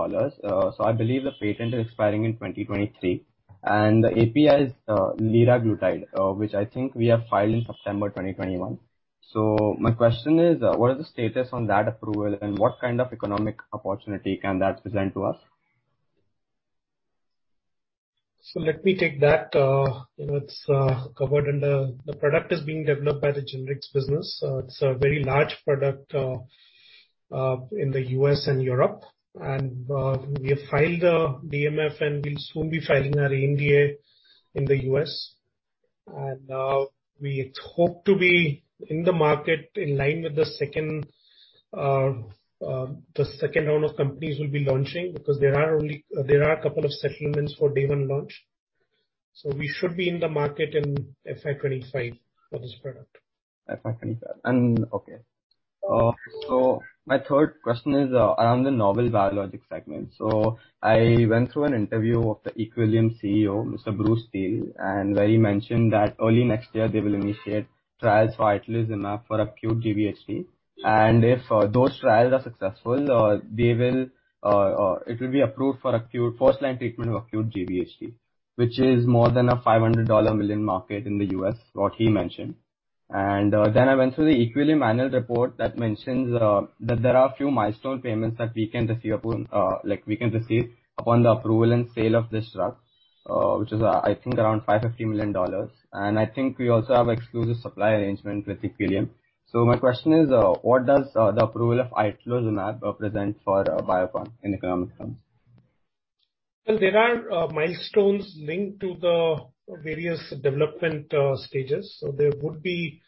I believe the patent is expiring in 2023. The API is liraglutide, which I think we have filed in September 2021. My question is, what is the status on that approval, and what kind of economic opportunity can that present to us? Let me take that. You know, it's covered. The product is being developed by the generics business. It's a very large product in the U.S. and Europe. We have filed the DMF, and we'll soon be filing our BLA in the U.S. We hope to be in the market in line with the second round of companies we'll be launching because there are only a couple of settlements for day one launch. We should be in the market in FY 2025 for this product. FY 2025. My third question is around the novel biologics segment. I went through an interview of the Equillium CEO, Mr. Bruce Steel, and where he mentioned that early next year they will initiate trials for itolizumab for acute GVHD. If those trials are successful, it will be approved for acute first line treatment of acute GVHD, which is more than a $500 million market in the US, what he mentioned. Then I went through the Equillium annual report that mentions that there are a few milestone payments that we can receive upon the approval and sale of this drug, which is, I think around $550 million. I think we also have exclusive supply arrangement with Equillium. My question is, what does the approval of itolizumab present for Biocon in economic terms? Well, there are milestones linked to the various development stages. There would be,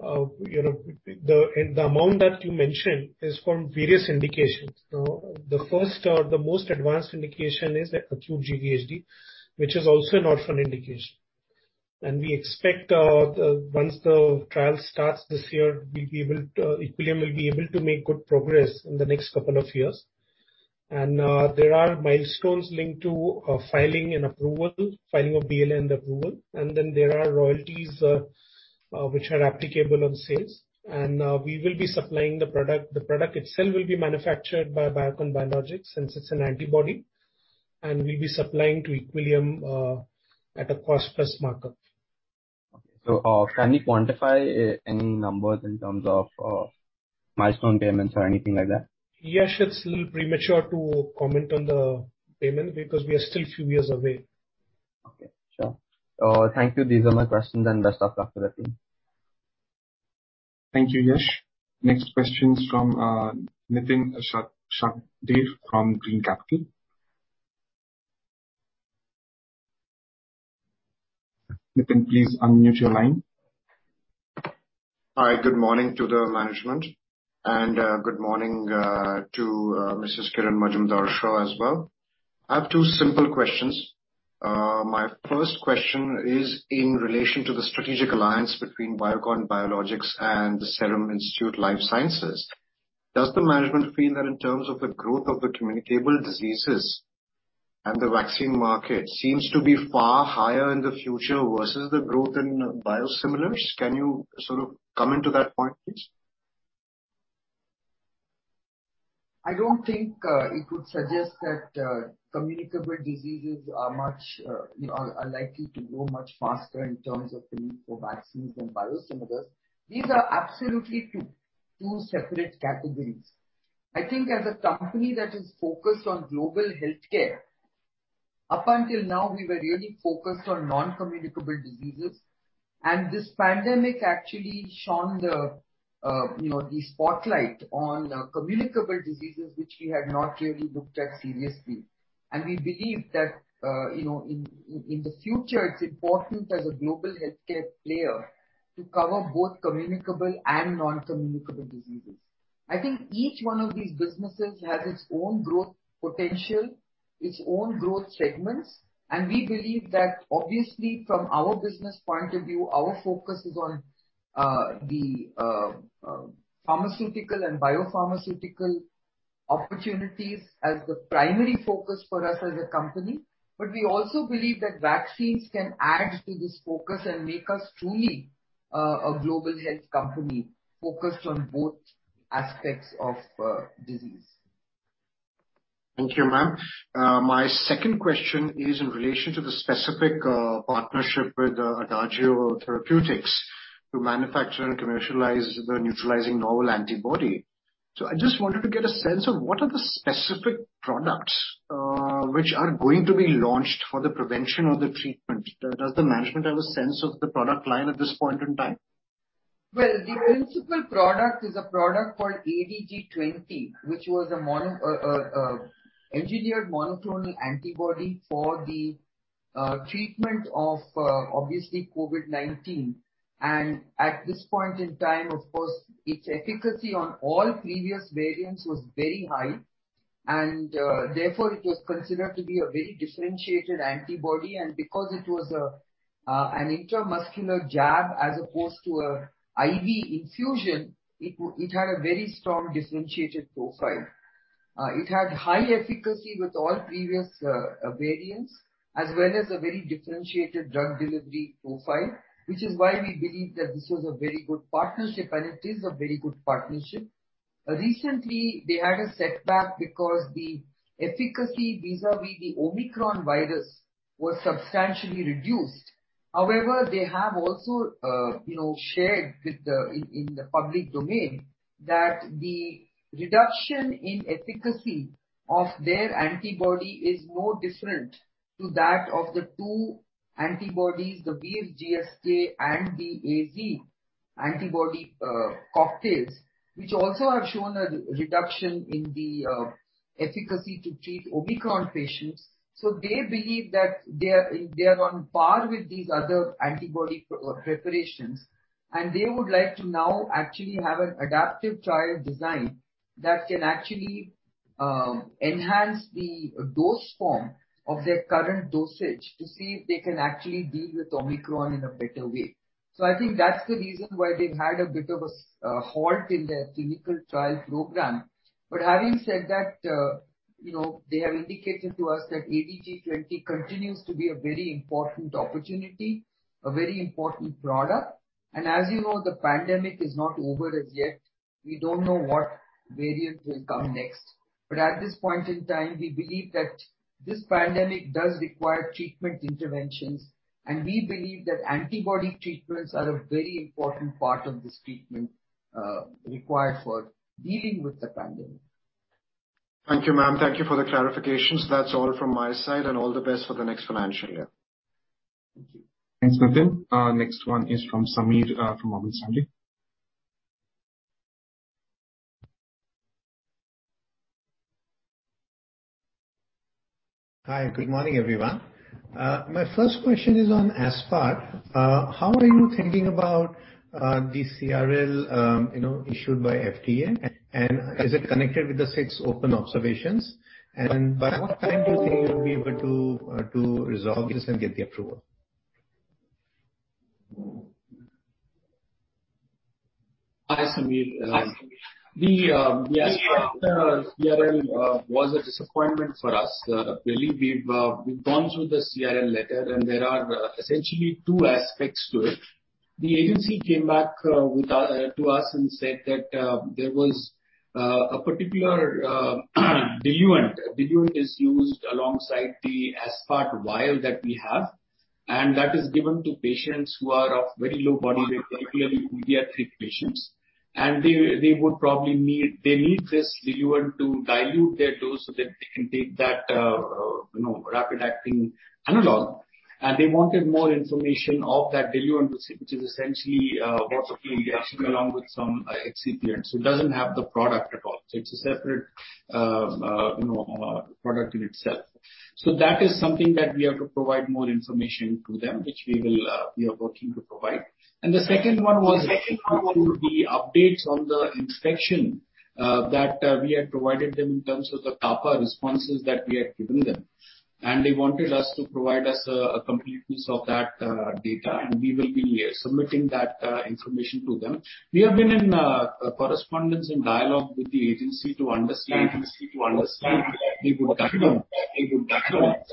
you know, the, and the amount that you mentioned is from various indications. Now, the first, the most advanced indication is acute GVHD, which is also an orphan indication. We expect, once the trial starts this year, we'll be able to, Equillium will be able to make good progress in the next couple of years. There are milestones linked to, filing and approval, filing of BLA and approval. There are royalties, which are applicable on sales. We will be supplying the product. The product itself will be manufactured by Biocon Biologics since it's an antibody. We'll be supplying to Equillium, at a cost plus markup. Can you quantify any numbers in terms of milestone payments or anything like that? Yash, it's a little premature to comment on the payment because we are still few years away. Okay. Sure. Thank you. These are my questions then. Best of luck for the team. Thank you, Yash. Next question is from Nitin Shakdher from Green Capital. Nitin, please unmute your line. Hi, good morning to the management and good morning to Mrs. Kiran Mazumdar-Shaw as well. I have two simple questions. My first question is in relation to the strategic alliance between Biocon Biologics and the Serum Institute Life Sciences. Does the management feel that in terms of the growth of the communicable diseases and the vaccine market seems to be far higher in the future versus the growth in biosimilars? Can you sort of comment on that point, please? I don't think it would suggest that communicable diseases are much you know are likely to grow much faster in terms of the need for vaccines and biosimilars. These are absolutely two separate categories. I think as a company that is focused on global healthcare, up until now we were really focused on non-communicable diseases. This pandemic actually shone the you know the spotlight on communicable diseases which we had not really looked at seriously. We believe that you know in the future it's important as a global healthcare player to cover both communicable and non-communicable diseases. I think each one of these businesses has its own growth potential. Its own growth segments. We believe that obviously from our business point of view, our focus is on pharmaceutical and biopharmaceutical opportunities as the primary focus for us as a company. We also believe that vaccines can add to this focus and make us truly a global health company focused on both aspects of disease. Thank you, ma'am. My second question is in relation to the specific partnership with Adagio Therapeutics to manufacture and commercialize the neutralizing novel antibody. I just wanted to get a sense of what are the specific products which are going to be launched for the prevention or the treatment. Does the management have a sense of the product line at this point in time? Well, the principal product is a product called ADG20, which was an engineered monoclonal antibody for the treatment of obviously COVID-19. At this point in time, of course, its efficacy on all previous variants was very high. Therefore, it was considered to be a very differentiated antibody. Because it was an intramuscular jab as opposed to an IV infusion, it had a very strong differentiated profile. It had high efficacy with all previous variants as well as a very differentiated drug delivery profile, which is why we believe that this was a very good partnership, and it is a very good partnership. Recently they had a setback because the efficacy vis-à-vis the Omicron virus was substantially reduced. However, they have also, you know, shared with the, in the public domain that the reduction in efficacy of their antibody is no different to that of the two antibodies, the GSK-Vir and the AstraZeneca antibody, cocktails, which also have shown a reduction in the efficacy to treat Omicron patients. They believe that they're on par with these other antibody preparations, and they would like to now actually have an adaptive trial design that can actually enhance the dose form of their current dosage to see if they can actually deal with Omicron in a better way. I think that's the reason why they've had a bit of a halt in their clinical trial program. Having said that, you know, they have indicated to us that ADG20 continues to be a very important opportunity, a very important product. As you know, the pandemic is not over as yet. We don't know what variant will come next. At this point in time, we believe that this pandemic does require treatment interventions, and we believe that antibody treatments are a very important part of this treatment required for dealing with the pandemic. Thank you, ma'am. Thank you for the clarifications. That's all from my side. All the best for the next financial year. Thanks, Nitin. Next one is from Sameer from Morgan Stanley. Hi, good morning, everyone. My first question is on aspart. How are you thinking about the CRL issued by FDA? Is it connected with the six open observations? By what time do you think you'll be able to resolve this and get the approval? Hi, Sameer. The CRL was a disappointment for us. Really, we've gone through the CRL letter and there are essentially two aspects to it. The agency came back to us and said that there was a particular diluent. Diluent is used alongside the aspart vial that we have, and that is given to patients who are of very low body weight, particularly pediatric patients. They need this diluent to dilute their dose so that they can take that rapid acting analog. They wanted more information of that diluent to see which is essentially water for injection along with some excipient. It doesn't have the product at all. It's a separate product in itself. That is something that we have to provide more information to them, which we will, we are working to provide. The second one was the updates on the inspection, that, we had provided them in terms of the CAPA responses that we had given them. They wanted us to provide us, a completeness of that, data, and we will be, submitting that, information to them. We have been in, correspondence and dialogue with the agency to understand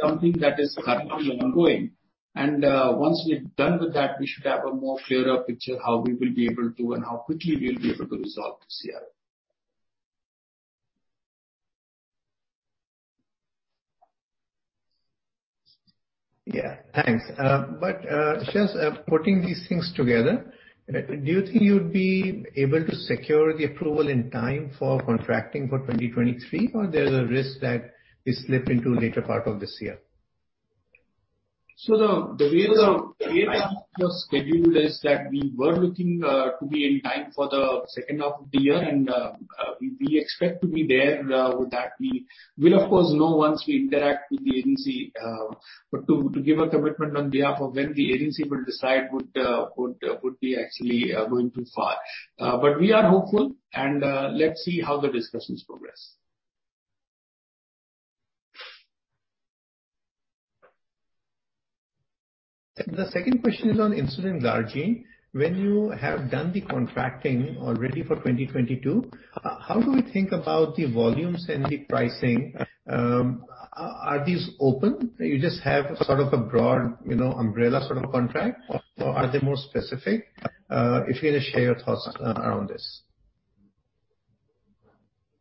something that is currently ongoing. Once we're done with that, we should have a more clearer picture how we will be able to and how quickly we'll be able to resolve the CRL. Yeah. Thanks. Just putting these things together, do you think you'd be able to secure the approval in time for contracting for 2023, or there's a risk that we slip into later part of this year? The way it was scheduled is that we were looking to be in time for the second half of the year, and we expect to be there with that. We will of course know once we interact with the agency. But to give a commitment on behalf of when the agency will decide would be actually going too far. But we are hopeful and let's see how the discussions progress. The second question is on insulin glargine. When you have done the contracting already for 2022, how do we think about the volumes and the pricing? Are these open? You just have sort of a broad, you know, umbrella sort of contract or are they more specific? If you wanna share your thoughts around this.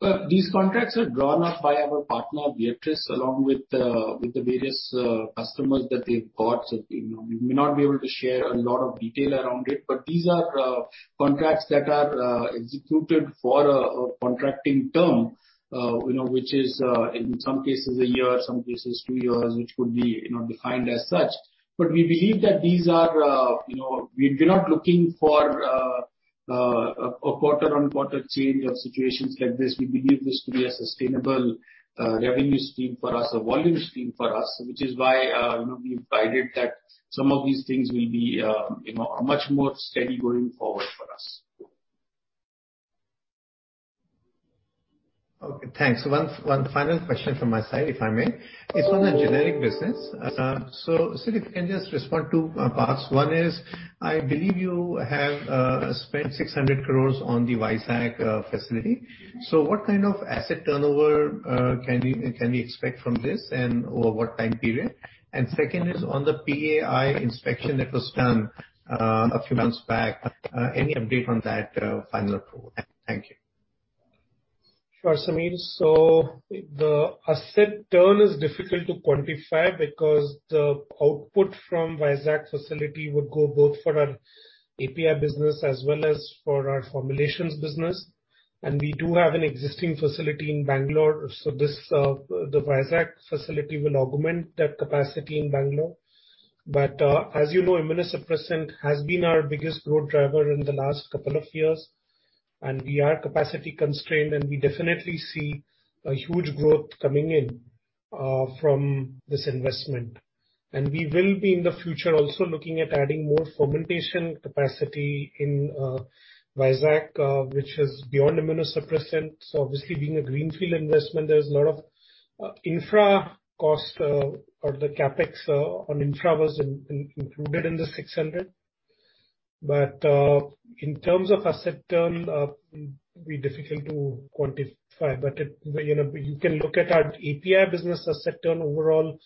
Well, these contracts are drawn up by our partner, Viatris, along with the various customers that they've got. You know, we may not be able to share a lot of detail around it, but these are contracts that are executed for a contracting term, you know, which is in some cases a year, some cases two years, which could be, you know, defined as such. We believe that these are, you know, we're not looking for a quarter-on-quarter change of situations like this. We believe this to be a sustainable revenue stream for us, a volume stream for us, which is why, you know, we've guided that some of these things will be, you know, much more steady going forward for us. Okay, thanks. One final question from my side, if I may. It's on the generic business. So Siddharth, if you can just respond to points. One is, I believe you have spent 600 crore on the Vizag facility. So what kind of asset turnover can we expect from this, and over what time period? And second is on the PAI inspection that was done a few months back, any update on that final approval? Thank you. Sure, Sameer. The asset turn is difficult to quantify because the output from Vizag facility would go both for our API business as well as for our formulations business, and we do have an existing facility in Bangalore, so this, the Vizag facility will augment that capacity in Bangalore. As you know, immunosuppressant has been our biggest growth driver in the last couple of years, and we are capacity constrained, and we definitely see a huge growth coming in from this investment. We will be in the future also looking at adding more fermentation capacity in Vizag, which is beyond immunosuppressant. Obviously being a greenfield investment, there is a lot of infra cost, or the CapEx on infra was included in the 600. In terms of asset turn, it would be difficult to quantify, but it, you know, you can look at our API business asset turn overall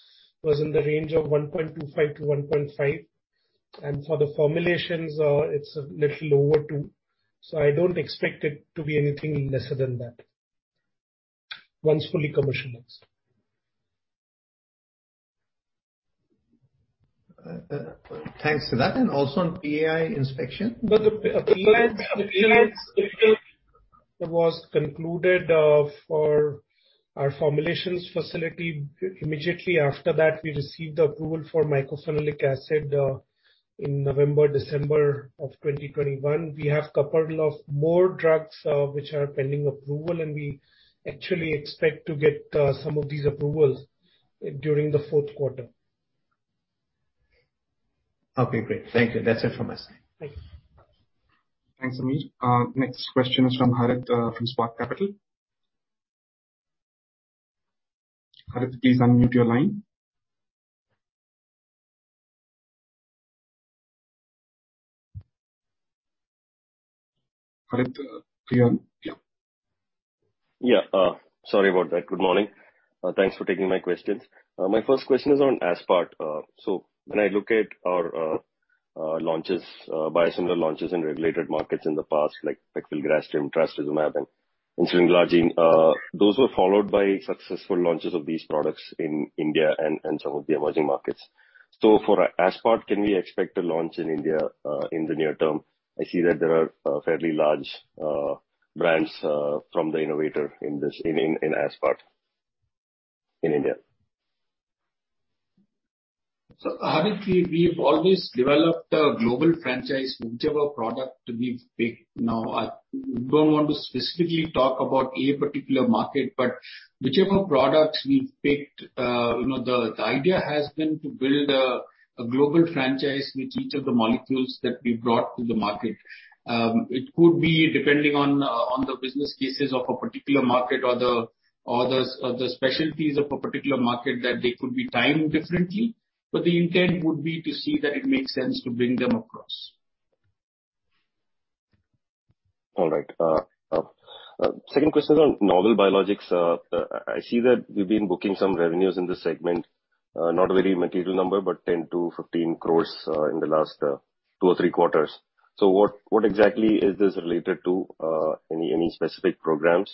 was in the range of 1.25-1.5. For the formulations, it's a little lower too. I don't expect it to be anything lesser than that once fully commercialized. Thanks for that. Also on PAI inspection. The PAI inspection was concluded for our formulations facility. Immediately after that, we received approval for mycophenolic acid in November, December 2021. We have a couple of more drugs which are pending approval, and we actually expect to get some of these approvals during the fourth quarter. Okay, great. Thank you. That's it from my side. Thanks, Sameer. Next question is from Harith from Spark Capital. Harith, please unmute your line. Harith, are you on? Yeah. Yeah. Sorry about that. Good morning. Thanks for taking my questions. My first question is on Aspart. When I look at our launches, biosimilar launches in regulated markets in the past, like pegfilgrastim, trastuzumab and insulin glargine, those were followed by successful launches of these products in India and some of the emerging markets. For Aspart, can we expect a launch in India in the near term? I see that there are fairly large brands from the innovator in this in Aspart in India. Harith, we've always developed a global franchise, whichever product we've picked. Now, I don't want to specifically talk about a particular market, but whichever product we've picked, you know, the idea has been to build a global franchise with each of the molecules that we've brought to the market. It could be depending on the business cases of a particular market or the specialties of a particular market that they could be timed differently, but the intent would be to see that it makes sense to bring them across. All right. Second question is on novel biologics. I see that we've been booking some revenues in this segment, not a very material number, but 10-15 crores, in the last two or three quarters. What exactly is this related to, any specific programs?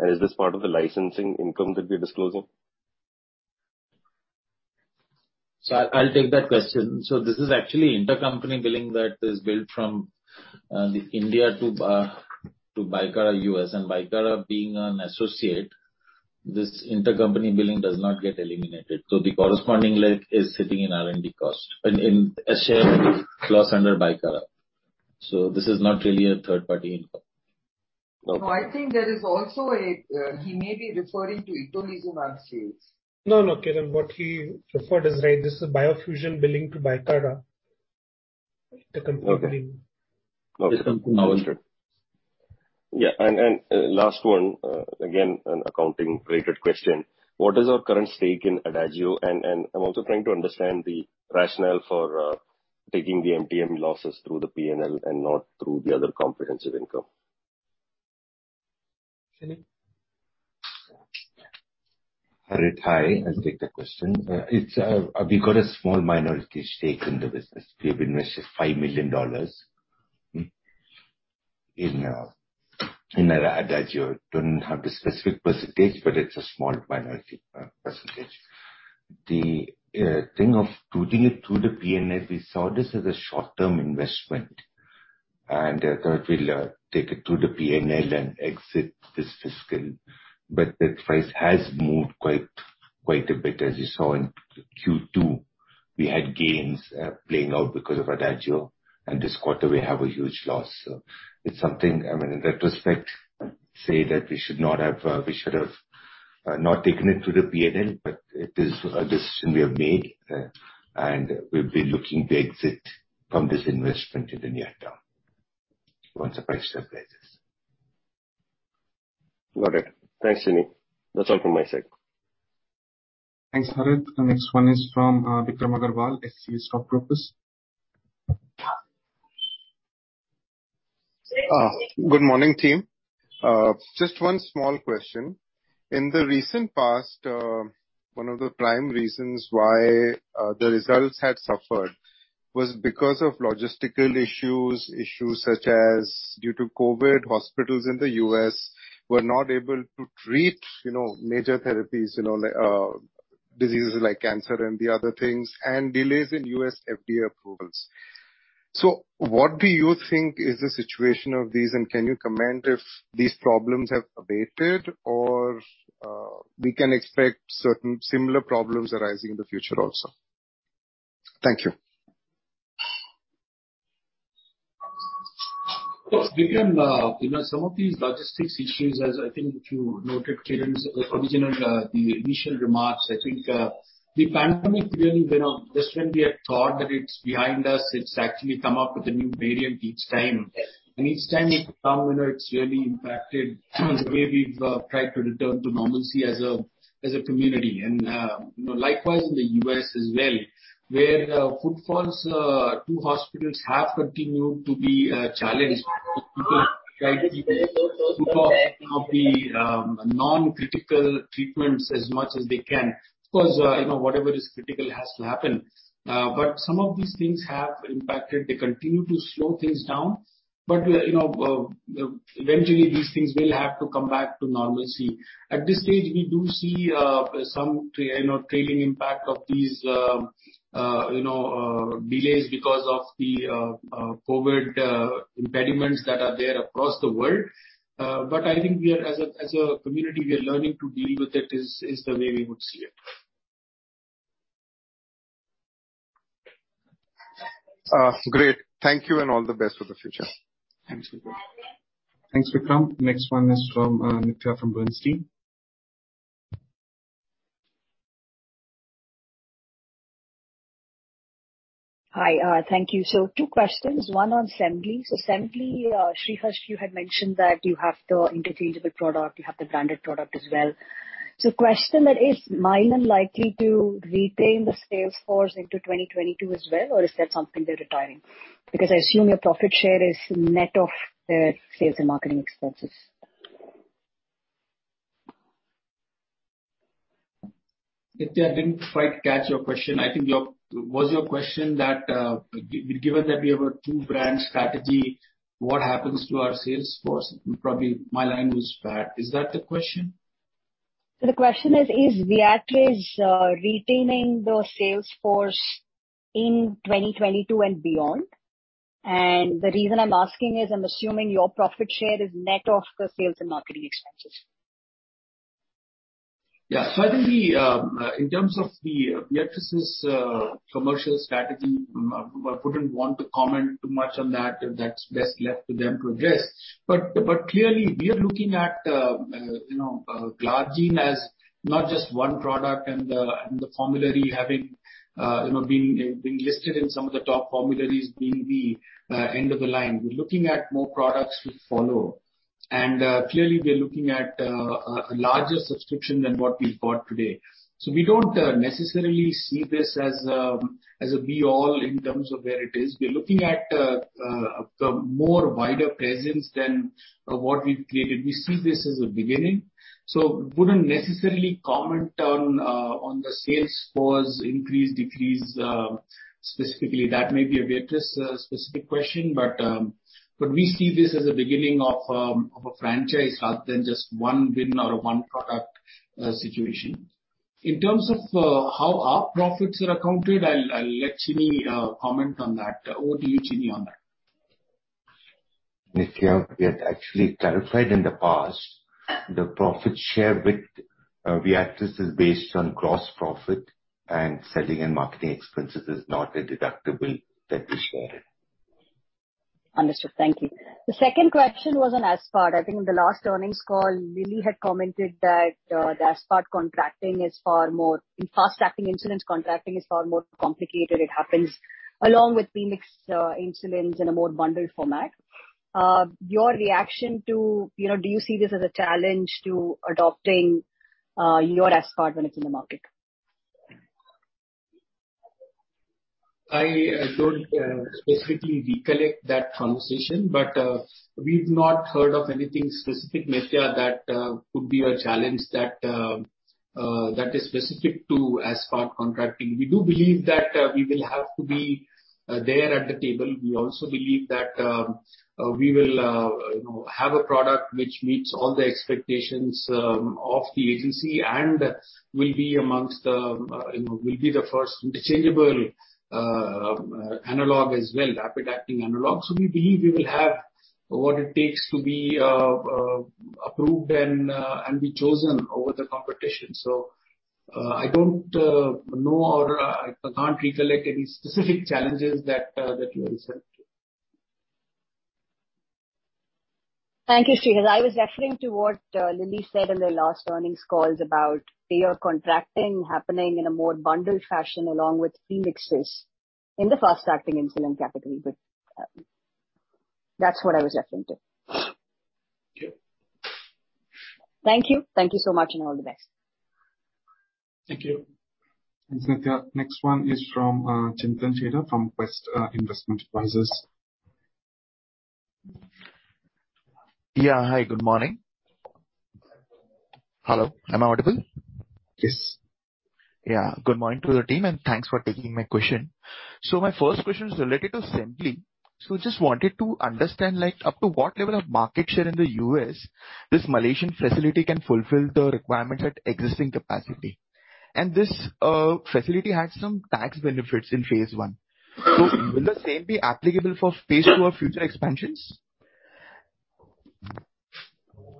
And is this part of the licensing income that we're disclosing? I'll take that question. This is actually intercompany billing that is billed from India to Bicara US and Bicara being an associate, this intercompany billing does not get eliminated. The corresponding leg is sitting in R&D cost and in SG&A under Bicara. This is not really a third-party income. No, I think there is also a, he may be referring to itolizumab sales. No, no, Kiran. What he referred is right. This is Biocon billing to Bicara intercompany billing. Okay. Yeah, last one, again, an accounting related question. What is our current stake in Adagio? I'm also trying to understand the rationale for taking the MTM losses through the PNL and not through the other comprehensive income. Chini. Harith, hi. I'll take the question. We've got a small minority stake in the business. We've invested $5 million in Adagio. Don't have the specific percentage, but it's a small minority percentage. The thing of doing it through the P&L, we saw this as a short-term investment, and thought we'll take it through the P&L and exit this fiscal. But the price has moved quite a bit. As you saw in Q2, we had gains playing out because of Adagio, and this quarter we have a huge loss. It's something, I mean, in retrospect, we should not have taken it through the P&L, but it is a decision we have made, and we've been looking to exit from this investment in the near term once the price stabilizes. Got it. Thanks, Chini. That's all from my side. Thanks, Harith. The next one is from Vikram Agarwal, Systematix Stockbrokers. Good morning, team. Just one small question. In the recent past, one of the prime reasons why the results had suffered was because of logistical issues. Issues such as due to COVID, hospitals in the U.S. were not able to treat, you know, major therapies, you know, like, diseases like cancer and the other things, and delays in U.S. FDA approvals. What do you think is the situation of these, and can you comment if these problems have abated or we can expect certain similar problems arising in the future also? Thank you. Vikram, you know, some of these logistics issues, as I think you noted, Kiran, the initial remarks, I think, the pandemic really, you know, just when we had thought that it's behind us, it's actually come up with a new variant each time. Each time it's come, you know, it's really impacted the way we've tried to return to normalcy as a community. You know, likewise in the U.S. as well, where footfalls to hospitals have continued to be challenged. Put off maybe non-critical treatments as much as they can. Of course, you know, whatever is critical has to happen. Some of these things have impacted. They continue to slow things down. You know, eventually these things will have to come back to normalcy. At this stage, we do see some you know, trailing impact of these, you know, delays because of the COVID impediments that are there across the world. I think we are as a community, we are learning to deal with it, is the way we would see it. Great. Thank you and all the best for the future. Thanks, Vikram. Next one is from Nithya from Bernstein. Hi, thank you. Two questions, one on Semglee. Semglee, Shreehas, you had mentioned that you have the interchangeable product, you have the branded product as well. Question: Is Mylan likely to retain the sales force into 2022 as well, or is that something they're retiring? Because I assume your profit share is net of their sales and marketing expenses. Nithya, I didn't quite catch your question. Was your question that, given that we have a two-brand strategy, what happens to our sales force? Probably my line was bad. Is that the question? The question is Viatris retaining the sales force in 2022 and beyond? The reason I'm asking is I'm assuming your profit share is net of the sales and marketing expenses. Yeah. I think in terms of Viatris' commercial strategy, I wouldn't want to comment too much on that, if that's best left to them to address. Clearly, we are looking at, you know, glargine as not just one product and the formulary having, you know, being listed in some of the top formularies being the end of the line. We're looking at more products to follow. Clearly we are looking at a larger subscription than what we've got today. We don't necessarily see this as a be all in terms of where it is. We are looking at the more wider presence than what we've created. We see this as a beginning. I wouldn't necessarily comment on the sales force increase, decrease, specifically. That may be a Viatris specific question, but we see this as a beginning of a franchise rather than just one win or one product situation. In terms of how our profits are accounted, I'll let Chini comment on that. Over to you, Chini, on that. Nithya, we had actually clarified in the past the profit share with Viatris is based on gross profit and selling and marketing expenses is not a deductible that we shared. Understood. Thank you. The second question was on aspart. I think in the last earnings call, Eli Lilly had commented that the aspart contracting is far more complicated in fast-acting insulins. It happens along with premixed insulins in a more bundled format. Your reaction to, you know, do you see this as a challenge to adopting your aspart when it's in the market? I don't specifically recollect that conversation, but we've not heard of anything specific, Nithya, that could be a challenge that is specific to aspart contracting. We do believe that we will have to be there at the table. We also believe that we will, you know, have a product which meets all the expectations of the agency and will be amongst the, you know, the first interchangeable analog as well, rapid-acting analog. We believe we will have what it takes to be approved and be chosen over the competition. I don't know or I can't recollect any specific challenges that you referred to. Thank you, Shreehas. I was referring to what, Eli Lilly said in their last earnings calls about payer contracting happening in a more bundled fashion along with premixes in the fast-acting insulin category. That's what I was referring to. Thank you. Thank you so much, and all the best. Thank you. Thanks, Nithya. Next one is from Chintan Chheda from Quest Investment Advisors. Yeah. Hi, good morning. Hello, am I audible? Yes. Good morning to the team, and thanks for taking my question. My first question is related to insulin. Just wanted to understand, like, up to what level of market share in the U.S. this Malaysian facility can fulfill the requirements at existing capacity. This facility had some tax benefits in phase one. Will the same be applicable for phase two of future expansions?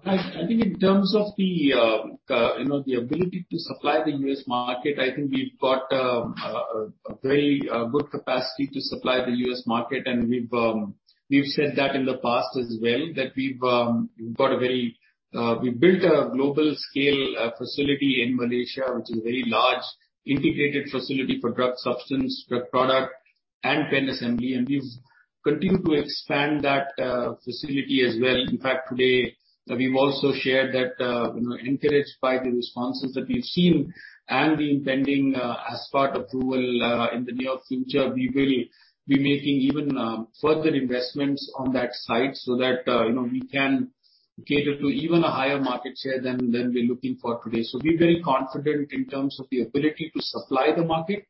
I think in terms of the, you know, the ability to supply the U.S. market, I think we've got a very good capacity to supply the U.S. market. We've said that in the past as well, that we've got a very we built a global scale facility in Malaysia, which is a very large integrated facility for drug substance, drug product, and pen assembly. We've continued to expand that facility as well. In fact, today, we've also shared that, you know, encouraged by the responses that we've seen and the impending aspart approval in the near future, we will be making even further investments on that site, so that, you know, we can cater to even a higher market share than we're looking for today. We're very confident in terms of the ability to supply the market.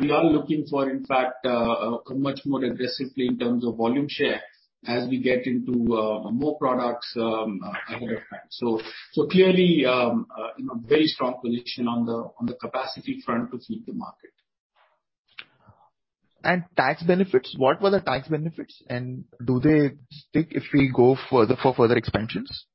We are looking for, in fact, much more aggressively in terms of volume share as we get into more products ahead of time. Clearly, you know, very strong position on the capacity front to feed the market. Tax benefits, what were the tax benefits? Do they stick if we go further for further expansions?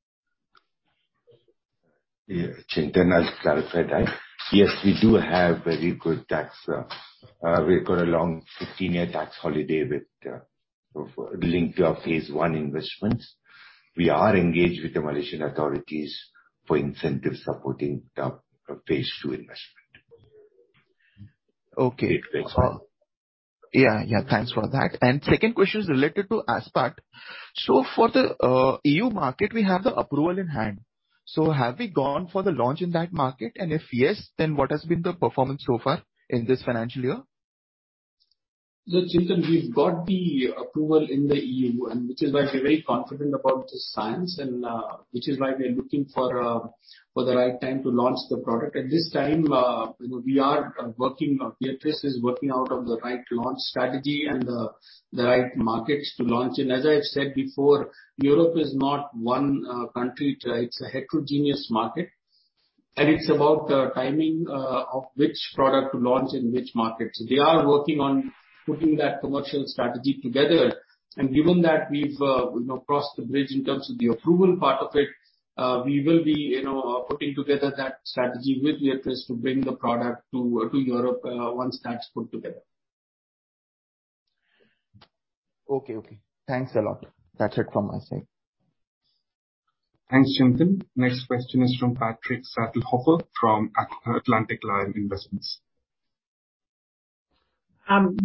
Yeah, Chintan, I'll clarify that. Yes, we do have very good tax. We've got a long 15-year tax holiday with, linked to our phase one investments. We are engaged with the Malaysian authorities for incentives supporting the phase two investment. Okay. If that's all. Yeah, yeah. Thanks for that. Second question is related to aspart. So for the EU market, we have the approval in hand. So have we gone for the launch in that market? And if yes, then what has been the performance so far in this financial year? Chintan, we've got the approval in the EU, and which is why we're very confident about the science and we are looking for the right time to launch the product. At this time, you know, we are working, Viatris is working out on the right launch strategy and the right markets to launch in. As I've said before, Europe is not one country. It's a heterogeneous market, and it's about the timing of which product to launch in which markets. They are working on putting that commercial strategy together. Given that we've, you know, crossed the bridge in terms of the approval part of it, we will be, you know, putting together that strategy with Viatris to bring the product to Europe once that's put together. Okay. Thanks a lot. That's it from my side. Thanks, Chintan. Next question is from Patrick Stadelhofer from Atlantic Lion Investments.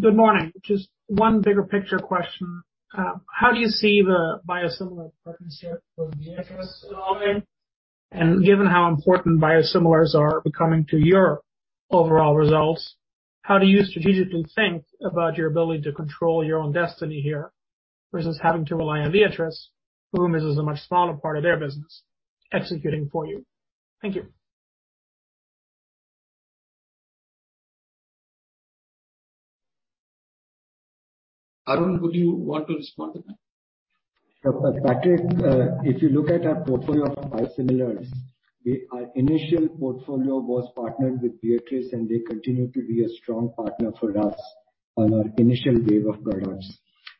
Good morning. Just one bigger picture question. How do you see the biosimilar partnership with Viatris evolving? Given how important biosimilars are becoming to your overall results, how do you strategically think about your ability to control your own destiny here versus having to rely on Viatris, for whom this is a much smaller part of their business, executing for you? Thank you. Arun, would you want to respond to that? Patrick, if you look at our portfolio of biosimilars, our initial portfolio was partnered with Viatris, and they continue to be a strong partner for us on our initial wave of products.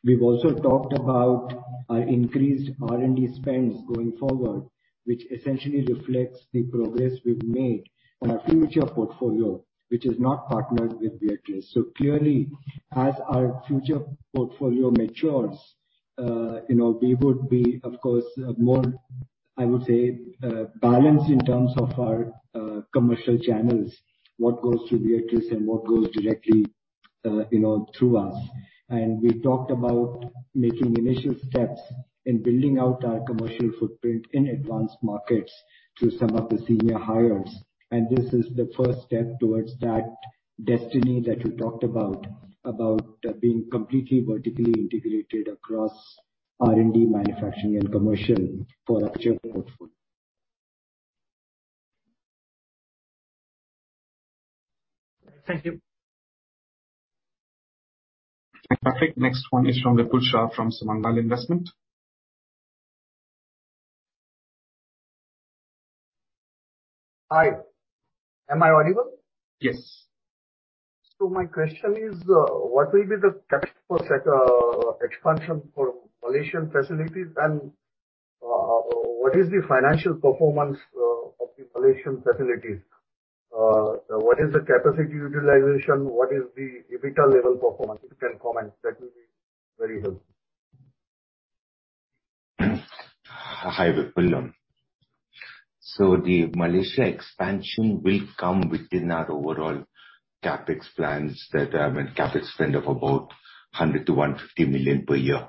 We've also talked about our increased R&D spends going forward, which essentially reflects the progress we've made on our future portfolio, which is not partnered with Viatris. Clearly, as our future portfolio matures, you know, we would be, of course, more, I would say, balanced in terms of our commercial channels, what goes through Viatris and what goes directly, you know, through us. We talked about making initial steps in building out our commercial footprint in advanced markets through some of the senior hires. This is the first step towards that destiny that you talked about being completely vertically integrated across R&D, manufacturing and commercial for our- Thank you. I think next one is from Vipul Shah from Samangal Investments. Hi. Am I audible? Yes. My question is, what will be the CapEx for such expansion for Malaysian facilities, and what is the financial performance of the Malaysian facilities? What is the capacity utilization? What is the EBITDA level performance? If you can comment, that will be very helpful. Hi, Vipul. The Malaysia expansion will come within our overall CapEx plans that have a CapEx spend of about $100 million-$150 million per year.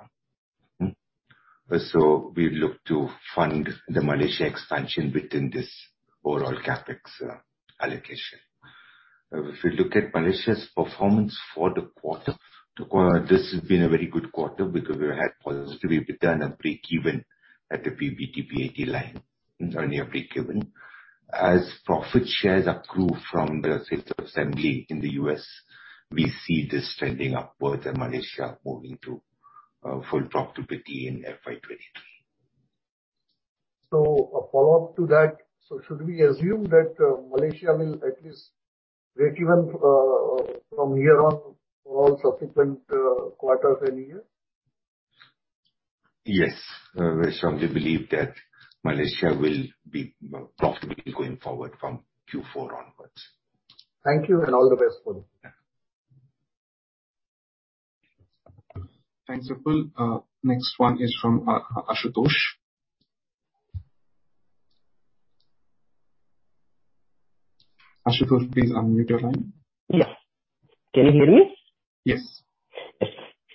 We look to fund the Malaysia expansion within this overall CapEx allocation. If you look at Malaysia's performance for the quarter, this has been a very good quarter because we had positive EBITDA and breakeven at the PBT/PAT line, near breakeven. As profit shares accrue from the states assembly in the US, we see this trending upwards and Malaysia moving to full profitability in FY 2023. A follow-up to that. Should we assume that Malaysia will at least breakeven from here on for all subsequent quarters and year? Yes. We strongly believe that Malaysia will be profitable going forward from Q4 onwards. Thank you, and all the best for you. Thanks, Vipul. Next one is from, Ashutosh. Ashutosh, please unmute your line. Yeah. Can you hear me? Yes.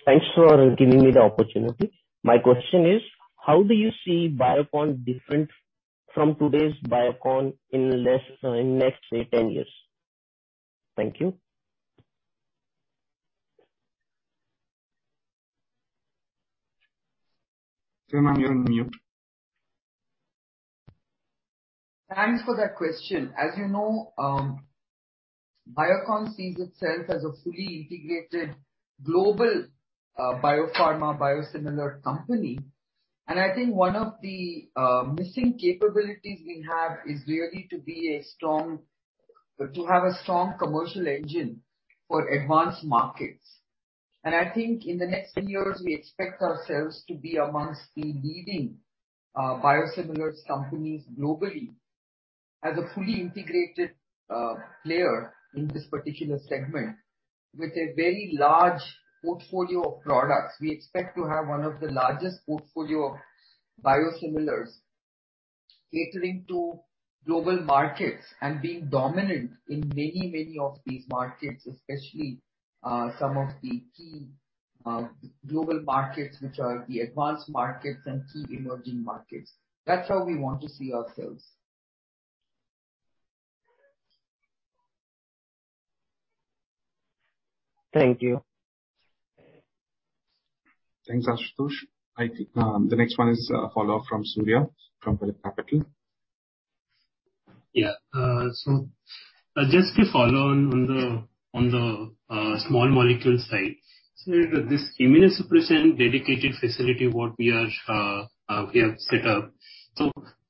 Thanks for giving me the opportunity. My question is: how do you see Biocon different from today's Biocon in less than next, say, 10 years? Thank you. Sir, ma'am, you're on mute. Thanks for that question. As you know, Biocon sees itself as a fully integrated global biopharma biosimilar company. I think one of the missing capabilities we have is really to have a strong commercial engine for advanced markets. I think in the next 10 years, we expect ourselves to be amongst the leading biosimilars companies globally as a fully integrated player in this particular segment with a very large portfolio of products. We expect to have one of the largest portfolio of biosimilars catering to global markets and being dominant in many, many of these markets, especially some of the key global markets, which are the advanced markets and key emerging markets. That's how we want to see ourselves. Thank you. Thanks, Ashutosh. I think, the next one is a follow-up from Surya from Phillip Capital. Yeah. Just a follow-on on the small molecule side. This immunosuppressant dedicated facility what we have set up.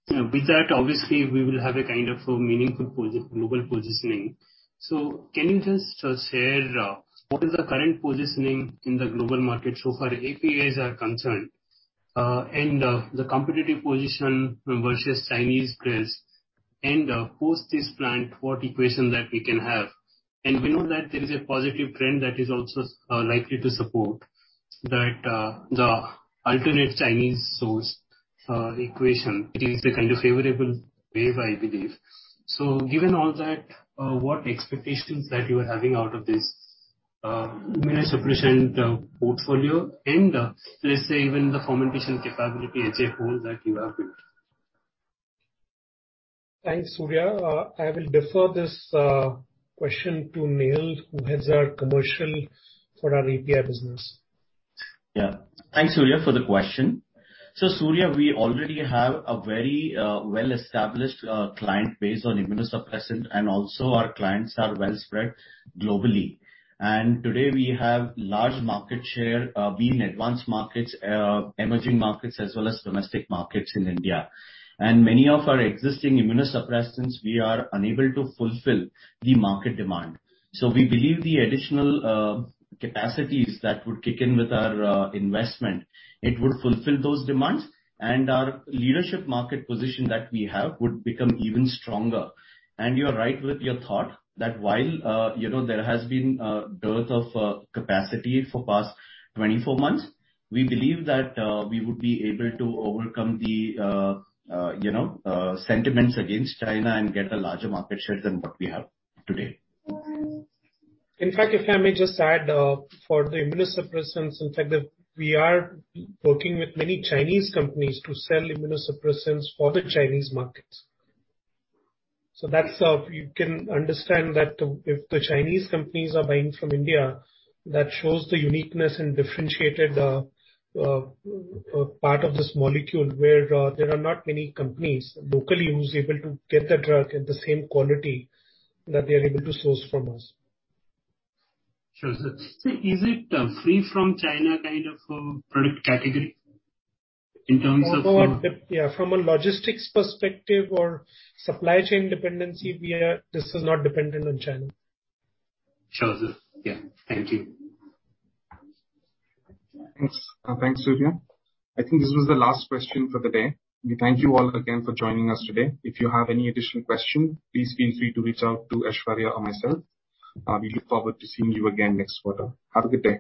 With that, obviously, we will have a kind of a meaningful global positioning. Can you just share what is the current positioning in the global market so far as APIs are concerned, and the competitive position versus Chinese peers and post this plant, what equation that we can have? We know that there is a positive trend that is also likely to support that the alternative to Chinese source equation is a kind of favorable wave, I believe. Given all that, what expectations that you are having out of this immunosuppressant portfolio and let's say even the fermentation capability as a whole that you have built? Thanks, Surya. I will defer this question to Neel, who heads our commercial for our API business. Yeah. Thanks, Surya, for the question. Surya, we already have a very, well-established, client base on immunosuppressant, and also our clients are well-spread globally. Today we have large market share both in advanced markets, emerging markets as well as domestic markets in India. Many of our existing immunosuppressants, we are unable to fulfill the market demand. We believe the additional, capacities that would kick in with our, investment, it would fulfill those demands. Our leadership market position that we have would become even stronger. You are right with your thought that while, you know, there has been a dearth of, capacity over the past 24 months, we believe that, we would be able to overcome the, you know, sentiments against China and get a larger market share than what we have today. In fact, if I may just add, for the immunosuppressants, in fact, that we are working with many Chinese companies to sell immunosuppressants for the Chinese markets. So that's how you can understand that if the Chinese companies are buying from India, that shows the uniqueness and differentiated part of this molecule, where there are not many companies locally who's able to get the drug at the same quality that they are able to source from us. Sure, sir. Is it a free from China kind of a product category in terms of? Although from a logistics perspective or supply chain dependency, this is not dependent on China. Sure, sir. Yeah. Thank you. Thanks. Thanks, Surya. I think this was the last question for the day. We thank you all again for joining us today. If you have any additional question, please feel free to reach out to Aishwarya or myself. We look forward to seeing you again next quarter. Have a good day.